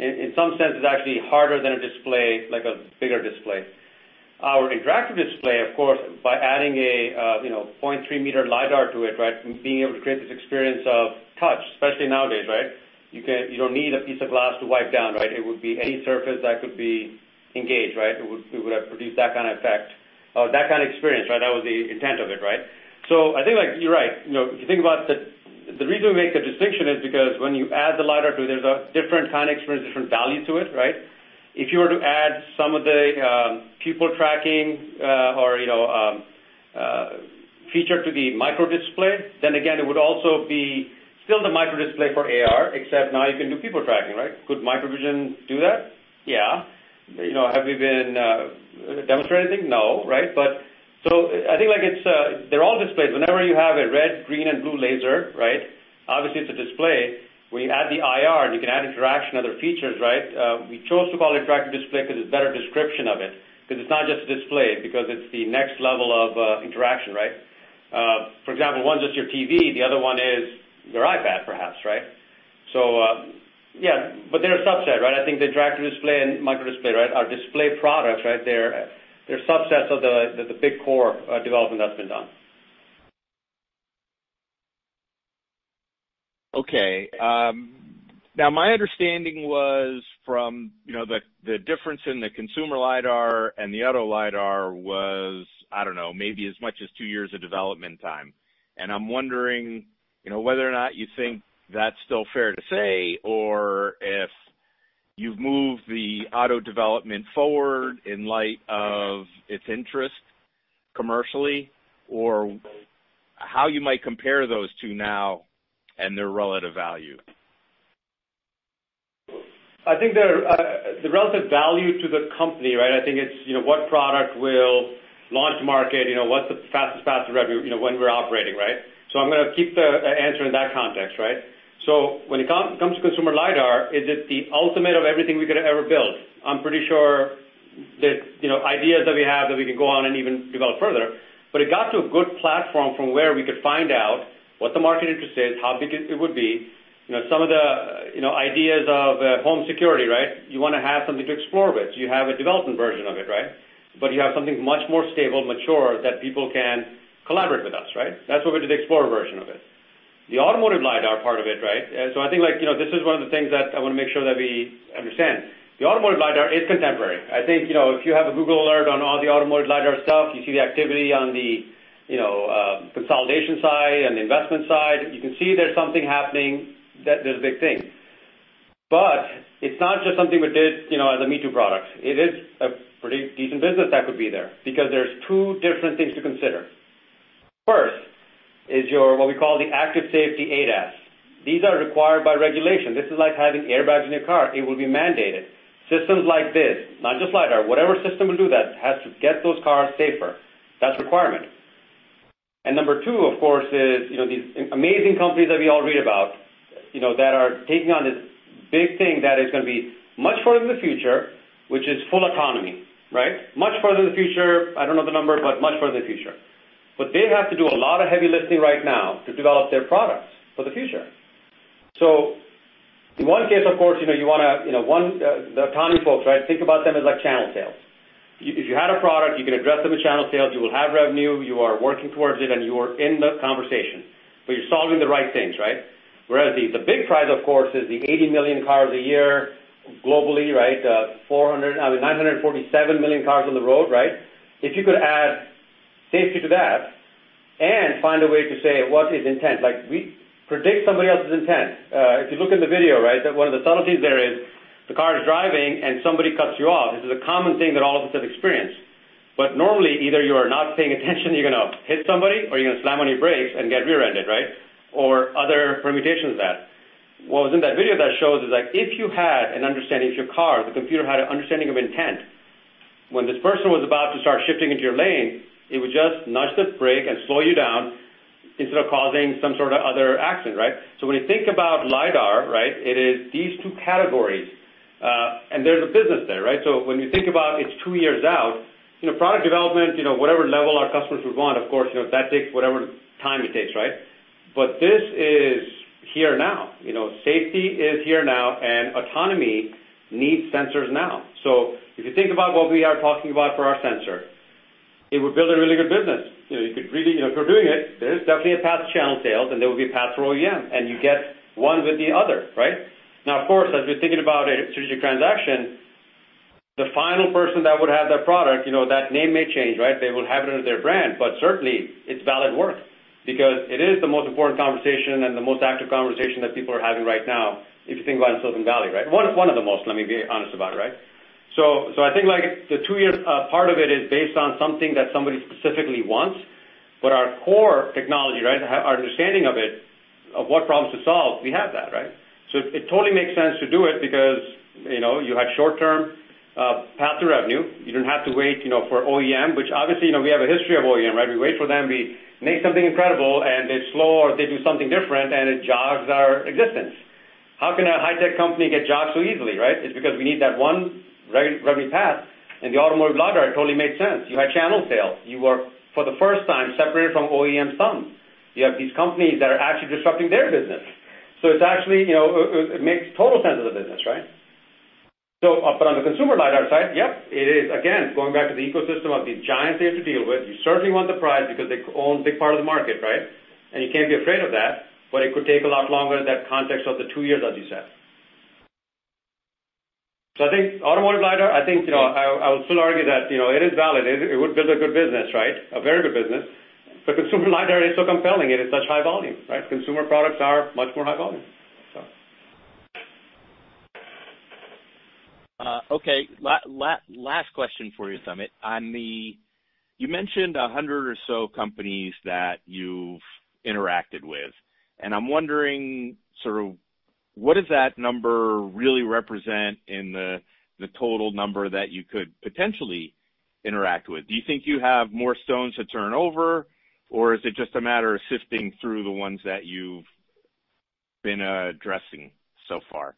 In some sense, it's actually harder than a display, like a bigger display. Our interactive display, of course, by adding a 0.3 meter LiDAR to it, from being able to create this experience of touch, especially nowadays, right? You don't need a piece of glass to wipe down. It would be any surface that could be engaged. It would have produced that kind of effect or that kind of experience. That was the intent of it. I think you're right. If you think about the reason we make the distinction is because when you add the LiDAR to it, there's a different kind of experience, different value to it, right? If you were to add some of the pupil tracking or feature to the microdisplay, then again, it would also be still the microdisplay for AR, except now you can do pupil tracking, right? Could MicroVision do that? Yeah. Have we been demonstrating? No. I think they're all displays. Whenever you have a red, green, and blue laser, obviously it's a display. When you add the IR and you can add interaction and other features. We chose to call it interactive display because it's a better description of it, because it's not just a display, because it's the next level of interaction, right? For example, one's just your TV, the other one is your iPad, perhaps. Yeah. They're a subset, right? I think the interactive display and microdisplay are display products. They're subsets of the big core development that's been done. Okay. Now, my understanding was from the difference in the consumer LiDAR and the auto LiDAR was, I don't know, maybe as much as two years of development time. I'm wondering whether or not you think that's still fair to say, or if you've moved the auto development forward in light of its interest commercially, or how you might compare those two now and their relative value. I think the relative value to the company, I think it's what product will launch market, what's the fastest path to revenue when we're operating. I'm going to keep the answer in that context. When it comes to consumer LiDAR, is it the ultimate of everything we could ever build? I'm pretty sure there's ideas that we have that we can go on and even develop further. It got to a good platform from where we could find out what the market interest is, how big it would be. Some of the ideas of home security. You want to have something to explore with. You have a development version of it. You have something much more stable, mature, that people can collaborate with us. That's what we did the explorer version of it. The automotive LiDAR part of it, I think this is one of the things that I want to make sure that we understand. The automotive LiDAR is contemporary. I think, if you have a Google alert on all the automotive LiDAR stuff, you see the activity on the consolidation side and the investment side. You can see there's something happening, that there's a big thing. It's not just something we did as a me-too product. It is a pretty decent business that could be there, because there's two different things to consider. First is your, what we call the active safety ADAS. These are required by regulation. This is like having airbags in your car. It will be mandated. Systems like this, not just LiDAR, whatever system will do that has to get those cars safer. That's requirement. Number two, of course, is these amazing companies that we all read about that are taking on this big thing that is going to be much further in the future, which is full autonomy. Much further in the future. I don't know the number, but much further in the future. They have to do a lot of heavy lifting right now to develop their products for the future. In one case, of course, the autonomy folks, think about them as like channel sales. If you had a product, you can address them as channel sales. You will have revenue, you are working towards it, and you are in the conversation, but you're solving the right things. Whereas the big prize, of course, is the 80 million cars a year globally. 947 million cars on the road. If you could add safety to that and find a way to say what is intent. Like we predict somebody else's intent. If you look in the video, one of the subtleties there is the car is driving and somebody cuts you off. This is a common thing that all of us have experienced. Normally, either you are not paying attention, you're going to hit somebody, or you're going to slam on your brakes and get rear-ended. Other permutations of that. What was in that video that shows is that if you had an understanding, if your car, the computer, had an understanding of intent, when this person was about to start shifting into your lane, it would just nudge the brake and slow you down instead of causing some sort of other accident. When you think about LiDAR, it is these two categories, and there's a business there. When you think about it's two years out, product development, whatever level our customers would want, of course, that takes whatever time it takes. This is here now. Safety is here now, and autonomy needs sensors now. If you think about what we are talking about for our sensor, it would build a really good business. If we're doing it, there's definitely a path to channel sales, and there will be a path to OEM, and you get one with the other. Of course, as we're thinking about a strategic transaction, the final person that would have that product, that name may change. They will have it under their brand. Certainly it's valid work because it is the most important conversation and the most active conversation that people are having right now if you think about in Silicon Valley. One of the most, let me be honest about it. I think the two years part of it is based on something that somebody specifically wants. Our core technology, our understanding of it, of what problems to solve, we have that. It totally makes sense to do it because you had short-term path to revenue. You didn't have to wait for OEM, which obviously we have a history of OEM. We wait for them, we make something incredible, and they slow or they do something different, and it jogs our existence. How can a high tech company get jogged so easily? It's because we need that one revenue path. The automotive LiDAR totally made sense. You had channel sales. You were, for the first time, separated from OEM some. You have these companies that are actually disrupting their business. It makes total sense as a business. On the consumer LiDAR side, yes, it is again going back to the ecosystem of these giants you have to deal with. You certainly want the prize because they own a big part of the market, and you can't be afraid of that. It could take a lot longer in that context of the two years, as you said. I think automotive LiDAR, I would still argue that it is valid. It would build a good business. A very good business. Consumer LiDAR is so compelling and it's such high volume. Consumer products are much more high volume. Last question for you, Sumit. You mentioned 100 or so companies that you've interacted with, and I'm wondering, what does that number really represent in the total number that you could potentially interact with? Do you think you have more stones to turn over, or is it just a matter of sifting through the ones that you've been addressing so far?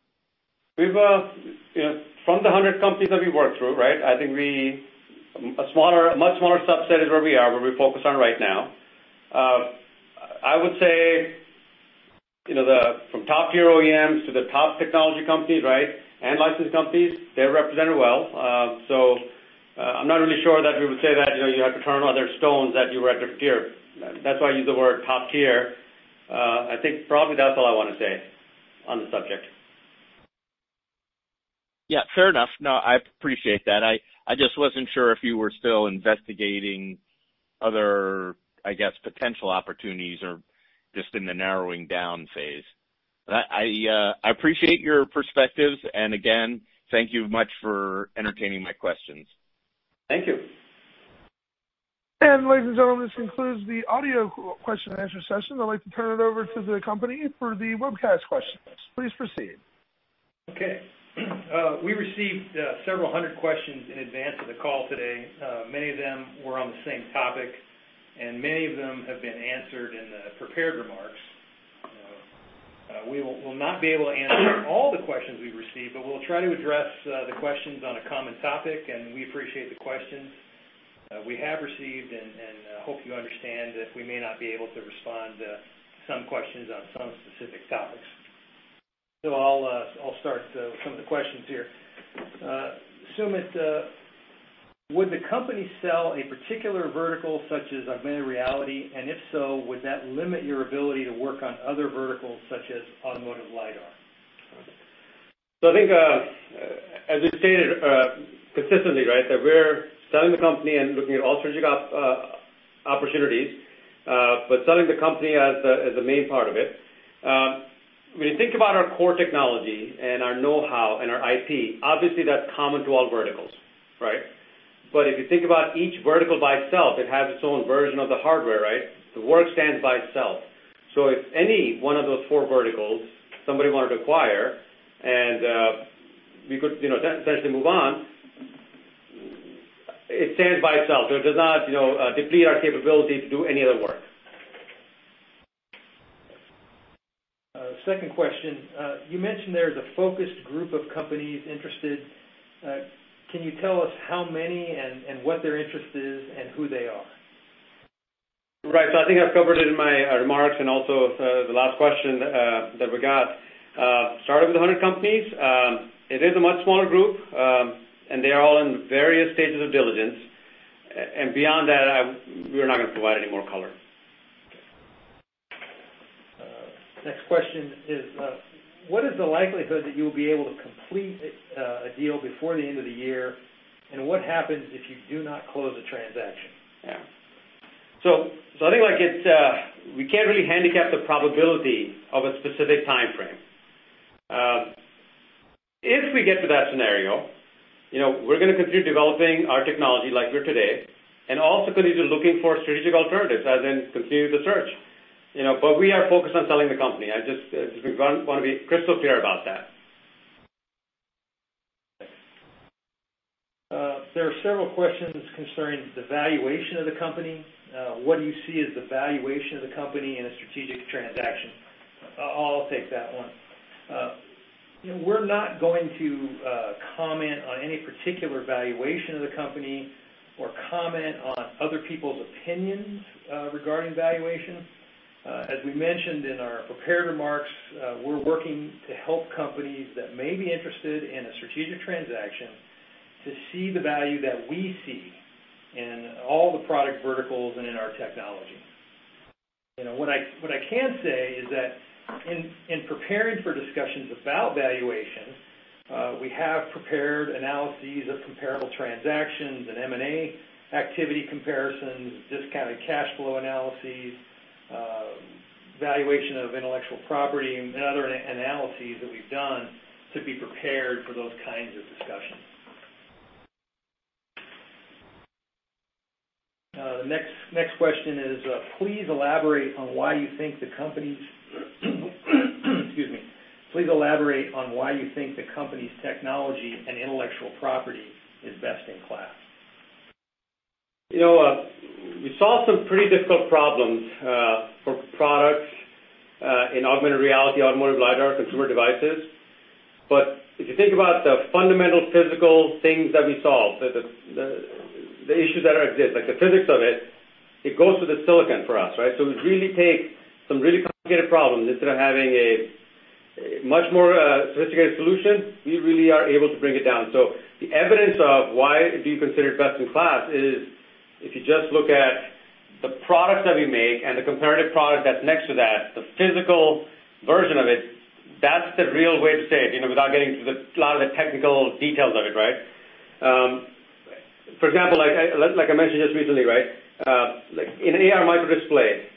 From the 100 companies that we worked through, I think a much smaller subset is where we are, where we focus on right now. I would say from top tier OEMs to the top technology companies and licensed companies, they're represented well. I'm not really sure that we would say that you have to turn other stones that you were able top tier. That's why I use the word top tier. I think probably that's all I want to say on the subject. Fair enough. I appreciate that. I just wasn't sure if you were still investigating other, I guess, potential opportunities or just in the narrowing down phase. I appreciate your perspectives. Again, thank you much for entertaining my questions. Thank you. Ladies and gentlemen, this concludes the audio question and answer session. I'd like to turn it over to the company for the webcast questions. Please proceed. Okay. We received several hundred questions in advance of the call today. Many of them were on the same topic, and many of them have been answered in the prepared remarks. We will not be able to answer all the questions we've received, but we'll try to address the questions on a common topic, and we appreciate the questions we have received and hope you understand that we may not be able to respond to some questions on some specific topics. I'll start with some of the questions here. Sumit, would the company sell a particular vertical such as augmented reality? If so, would that limit your ability to work on other verticals such as automotive LiDAR? I think as we stated consistently, that we're selling the company and looking at all strategic opportunities. Selling the company as the main part of it. When you think about our core technology and our know-how and our IP, obviously that's common to all verticals. If you think about each vertical by itself, it has its own version of the hardware. The work stands by itself. If any one of those four verticals somebody wanted to acquire and we could essentially move on, it stands by itself. It does not deplete our capability to do any other work. Second question. You mentioned there's a focused group of companies interested. Can you tell us how many and what their interest is and who they are? Right. I think I've covered it in my remarks and also the last question that we got. Started with 100 companies. It is a much smaller group, and they are all in various stages of diligence. Beyond that, we are not going to provide any more color. Next question is, what is the likelihood that you'll be able to complete a deal before the end of the year. What happens if you do not close a transaction? Yeah. I think we can't really handicap the probability of a specific timeframe. If we get to that scenario, we're going to continue developing our technology like we are today, and also continue to looking for strategic alternatives, as in continue the search. We are focused on selling the company. I just want to be crystal clear about that. Thanks. There are several questions concerning the valuation of the company. What do you see as the valuation of the company in a strategic transaction? I'll take that one. We're not going to comment on any particular valuation of the company or comment on other people's opinions regarding valuation. As we mentioned in our prepared remarks, we're working to help companies that may be interested in a strategic transaction to see the value that we see in all the product verticals and in our technology. What I can say is that in preparing for discussions about valuation, we have prepared analyses of comparable transactions and M&A activity comparisons, discounted cash flow analyses, valuation of intellectual property, and other analyses that we've done to be prepared for those kinds of discussions. The next question is, please elaborate on why you think the company's technology and intellectual property is best in class. We solve some pretty difficult problems for products in augmented reality, automotive LiDAR, consumer devices. If you think about the fundamental physical things that we solve, the issues that exist, like the physics of it goes through the silicon for us, right? We really take some really complicated problems. Instead of having a much more sophisticated solution, we really are able to bring it down. The evidence of why we'd be considered best in class is if you just look at the product that we make and the comparative product that's next to that, the physical version of it, that's the real way to say it, without getting into a lot of the technical details of it, right? For example, like I mentioned just recently, in an AR microdisplay,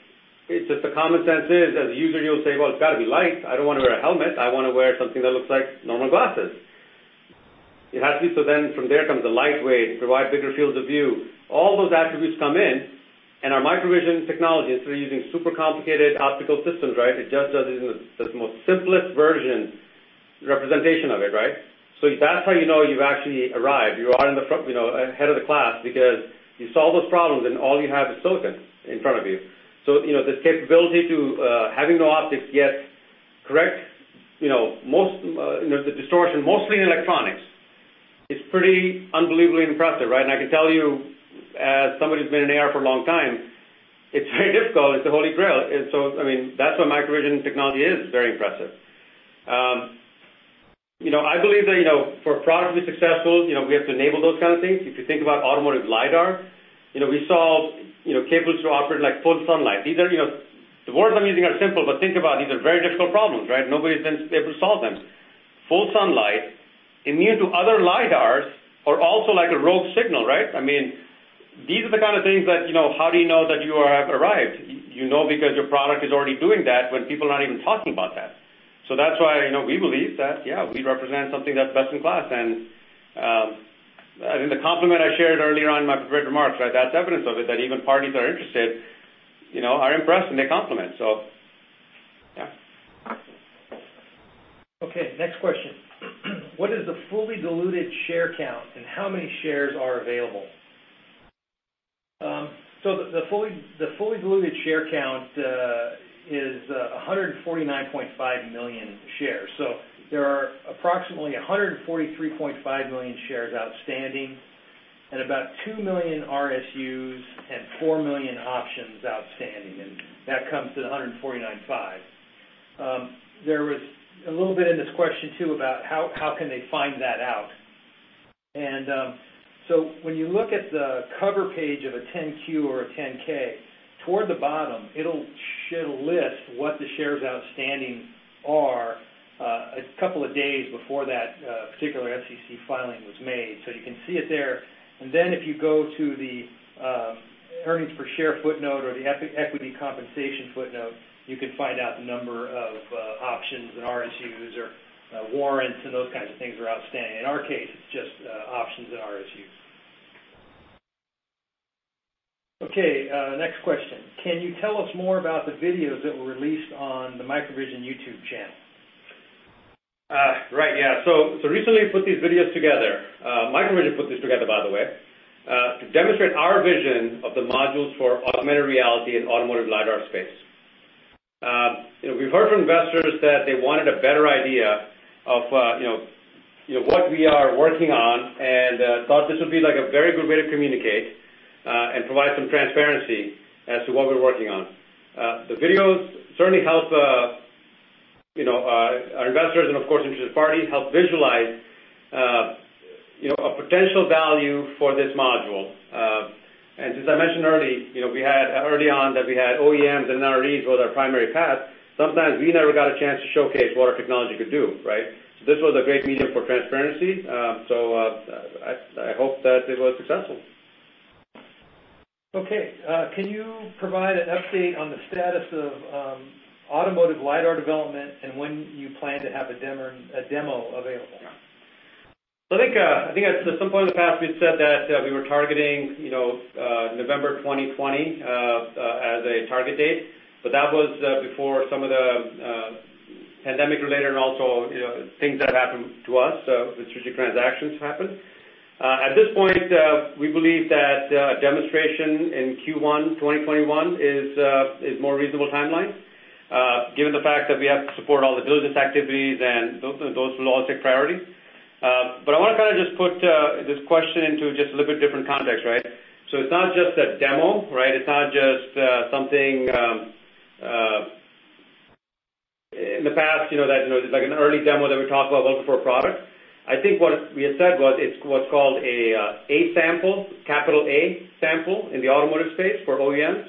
it's just the common sense is as a user, you'll say, "Well, it's got to be light. I don't want to wear a helmet. I want to wear something that looks like normal glasses." It has to. From there comes the lightweight, provide bigger fields of view. All those attributes come in and our MicroVision technology, instead of using super complicated optical systems, it just does it in the most simplest version representation of it, right? That's how you know you've actually arrived. You are ahead of the class because you solve those problems and all you have is silicon in front of you. This capability to having no optics yet correct the distortion mostly in electronics is pretty unbelievably impressive, right? I can tell you as somebody who's been in AR for a long time, it's very difficult. It's the Holy Grail. That's what MicroVision technology is. It's very impressive. I believe that for a product to be successful, we have to enable those kind of things. If you think about automotive LiDAR, we solve capable to operate like full sunlight. The words I'm using are simple, but think about it, these are very difficult problems, right? Nobody's been able to solve them. Full sunlight, immune to other LiDARs or also like a rogue signal, right? These are the kind of things that, how do you know that you have arrived? You know because your product is already doing that when people are not even talking about that. That's why, we believe that, yeah, we represent something that's best in class. I think the compliment I shared earlier on in my prepared remarks, that's evidence of it, that even parties that are interested are impressed, and they compliment. Yeah. Okay, next question. What is the fully diluted share count, and how many shares are available? The fully diluted share count is 149.5 million shares. There are approximately 143.5 million shares outstanding and about two million RSUs and four million options outstanding, and that comes to the 149.5 million shares. There was a little bit in this question, too, about how can they find that out. When you look at the cover page of a 10-Q or a 10-K, toward the bottom, it should list what the shares outstanding are a couple of days before that particular SEC filing was made. You can see it there. Then if you go to the earnings per share footnote or the equity compensation footnote, you can find out the number of options and RSUs or warrants and those kinds of things that are outstanding. In our case, it's just options and RSUs. Okay, next question. Can you tell us more about the videos that were released on the MicroVision YouTube channel? Right. Yeah. Recently, we put these videos together. MicroVision put this together, by the way, to demonstrate our vision of the modules for augmented reality in automotive LiDAR space. We've heard from investors that they wanted a better idea of what we are working on and thought this would be a very good way to communicate and provide some transparency as to what we're working on. The videos certainly help our investors and, of course, interested parties help visualize a potential value for this module. Since I mentioned early on that we had OEMs and NREs were their primary path, sometimes we never got a chance to showcase what our technology could do. This was a great medium for transparency. I hope that it was successful. Can you provide an update on the status of automotive LiDAR development and when you plan to have a demo available? Yeah. I think at some point in the past we've said that we were targeting November 2020 as a target date, but that was before some of the pandemic related and also, things that happened to us, the strategic transactions happened. At this point, we believe that a demonstration in Q1 2021 is more reasonable timeline, given the fact that we have to support all the diligence activities and those will all take priority. I want to just put this question into just a little bit different context. It's not just a demo. It's not just something, in the past, that it's like an early demo that we talked about once before a product. I think what we had said was it's what's called a A-sample, capital A-sample in the automotive space for OEMs,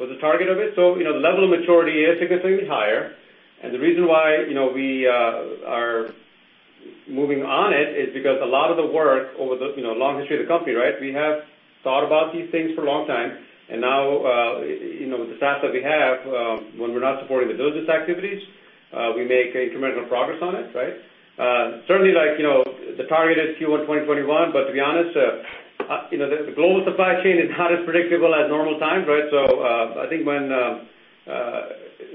was the target of it. The level of maturity is significantly higher and the reason why we are moving on it is because a lot of the work over the long history of the company, we have thought about these things for a long time and now, with the staff that we have, when we're not supporting the diligence activities, we make incremental progress on it. Certainly, the target is Q1 2021, but to be honest, the global supply chain is not as predictable as normal times. I think when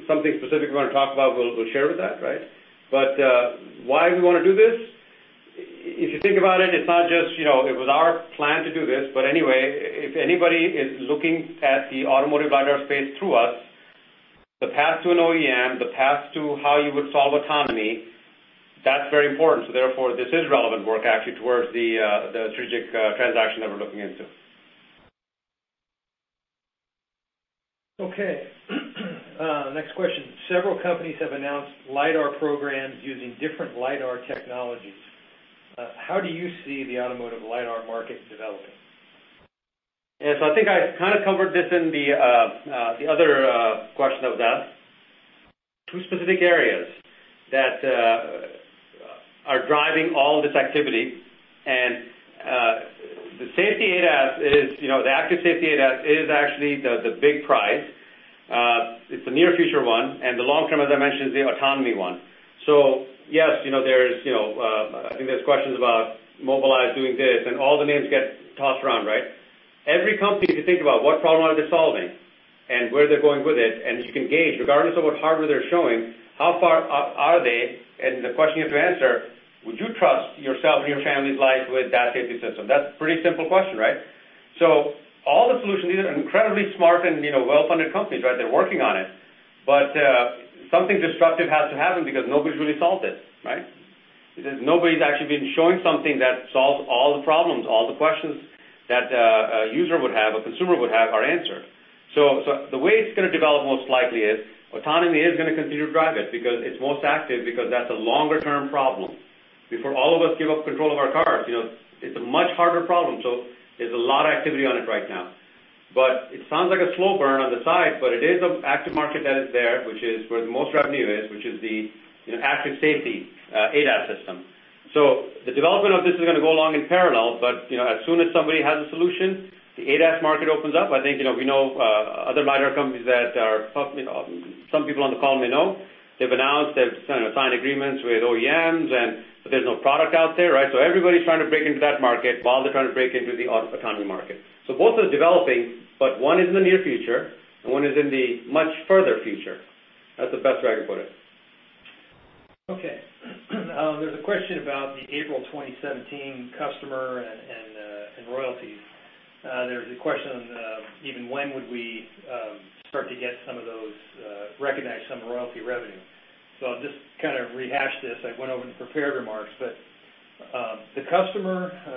something specific we want to talk about, we'll share with that. Why we want to do this? If you think about it's not just it was our plan to do this, but anyway, if anybody is looking at the automotive LiDAR space through us, the path to an OEM, the path to how you would solve autonomy, that's very important. Therefore, this is relevant work actually towards the strategic transaction that we're looking into. Okay. Next question. Several companies have announced LiDAR programs using different LiDAR technologies. How do you see the automotive LiDAR market developing? I think I covered this in the other question I was asked. Two specific areas that are driving all of this activity and the safety ADAS is the active safety ADAS is actually the big prize. It's the near future one, and the long term, as I mentioned, is the autonomy one. Yes, I think there's questions about Mobileye doing this, and all the names get tossed around. Every company, if you think about what problem are they solving and where they're going with it, and you can gauge, regardless of what hardware they're showing, how far are they, and the question you have to answer, would you trust yourself and your family's life with that safety system? That's a pretty simple question. All the solutions, these are incredibly smart and well-funded companies. They're working on it. Something disruptive has to happen because nobody's really solved it. Nobody's actually been showing something that solves all the problems, all the questions that a user would have, a consumer would have are answered. The way it's going to develop most likely is autonomy is going to continue to drive it because it's most active because that's a longer term problem. Before all of us give up control of our cars, it's a much harder problem. There's a lot of activity on it right now. It sounds like a slow burn on the side, but it is an active market that is there, which is where the most revenue is, which is the active safety ADAS system. The development of this is going to go along in parallel, but as soon as somebody has a solution, the ADAS market opens up. I think, we know other LiDAR companies that are public. Some people on the call may know. They've announced they've signed agreements with OEMs and but there's no product out there. Everybody's trying to break into that market while they're trying to break into the autonomy market. Both are developing, but one is in the near future and one is in the much further future. That's the best way I can put it. There's a question about the April 2017 customer and royalties. There's a question on even when would we start to recognize some royalty revenue. I'll just rehash this. I went over the prepared remarks, but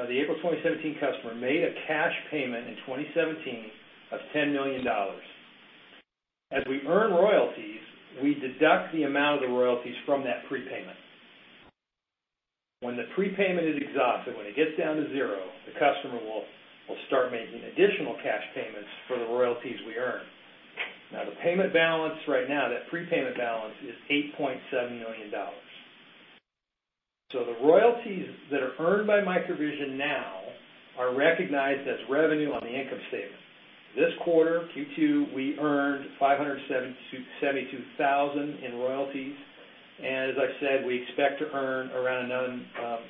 the April 2017 customer made a cash payment in 2017 of $10 million. As we earn royalties, we deduct the amount of the royalties from that prepayment. When the prepayment is exhausted, when it gets down to zero, the customer will start making additional cash payments for the royalties we earn. The payment balance right now, that prepayment balance is $8.7 million. The royalties that are earned by MicroVision now are recognized as revenue on the income statement. This quarter, Q2, we earned 572,000 in royalties. As I said, we expect to earn around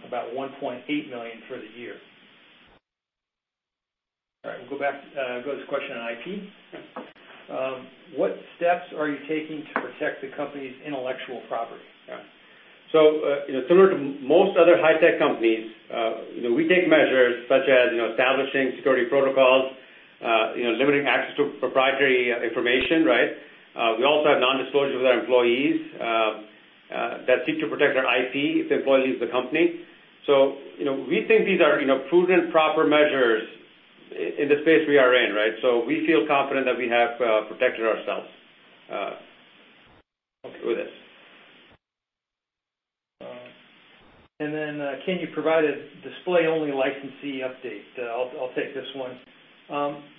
about $1.8 million for the year. All right. We'll go to this question on IP. What steps are you taking to protect the company's intellectual property? Similar to most other high-tech companies, we take measures such as establishing security protocols, limiting access to proprietary information. We also have non-disclosure with our employees that seek to protect our IP if the employee leaves the company. We think these are prudent, proper measures in the space we are in. We feel confident that we have protected ourselves with it. Can you provide a display-only licensee update? I'll take this one.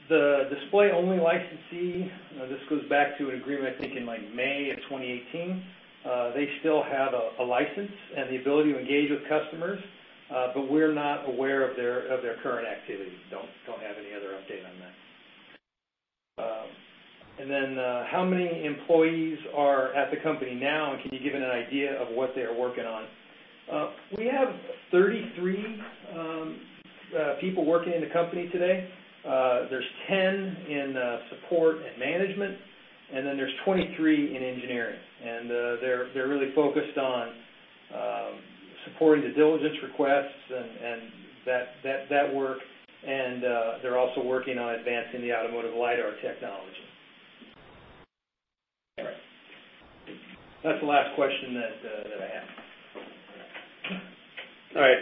The display-only licensee, this goes back to an agreement, I think, in May of 2018. They still have a license and the ability to engage with customers, but we're not aware of their current activities. Don't have any other update on that. How many employees are at the company now, and can you give an idea of what they are working on? We have 33 people working in the company today. There's 10 in support and management, there's 23 in engineering. They're really focused on supporting the diligence requests and that work. They're also working on advancing the automotive LiDAR technology. That's the last question that I have. All right.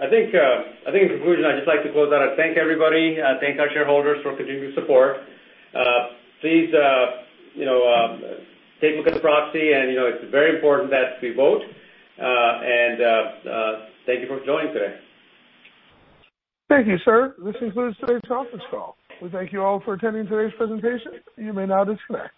I think in conclusion, I'd just like to close out. I thank everybody. I thank our shareholders for continued support. Please take a look at the proxy and it's very important that we vote. Thank you for joining today. Thank you, sir. This concludes today's conference call. We thank you all for attending today's presentation. You may now disconnect.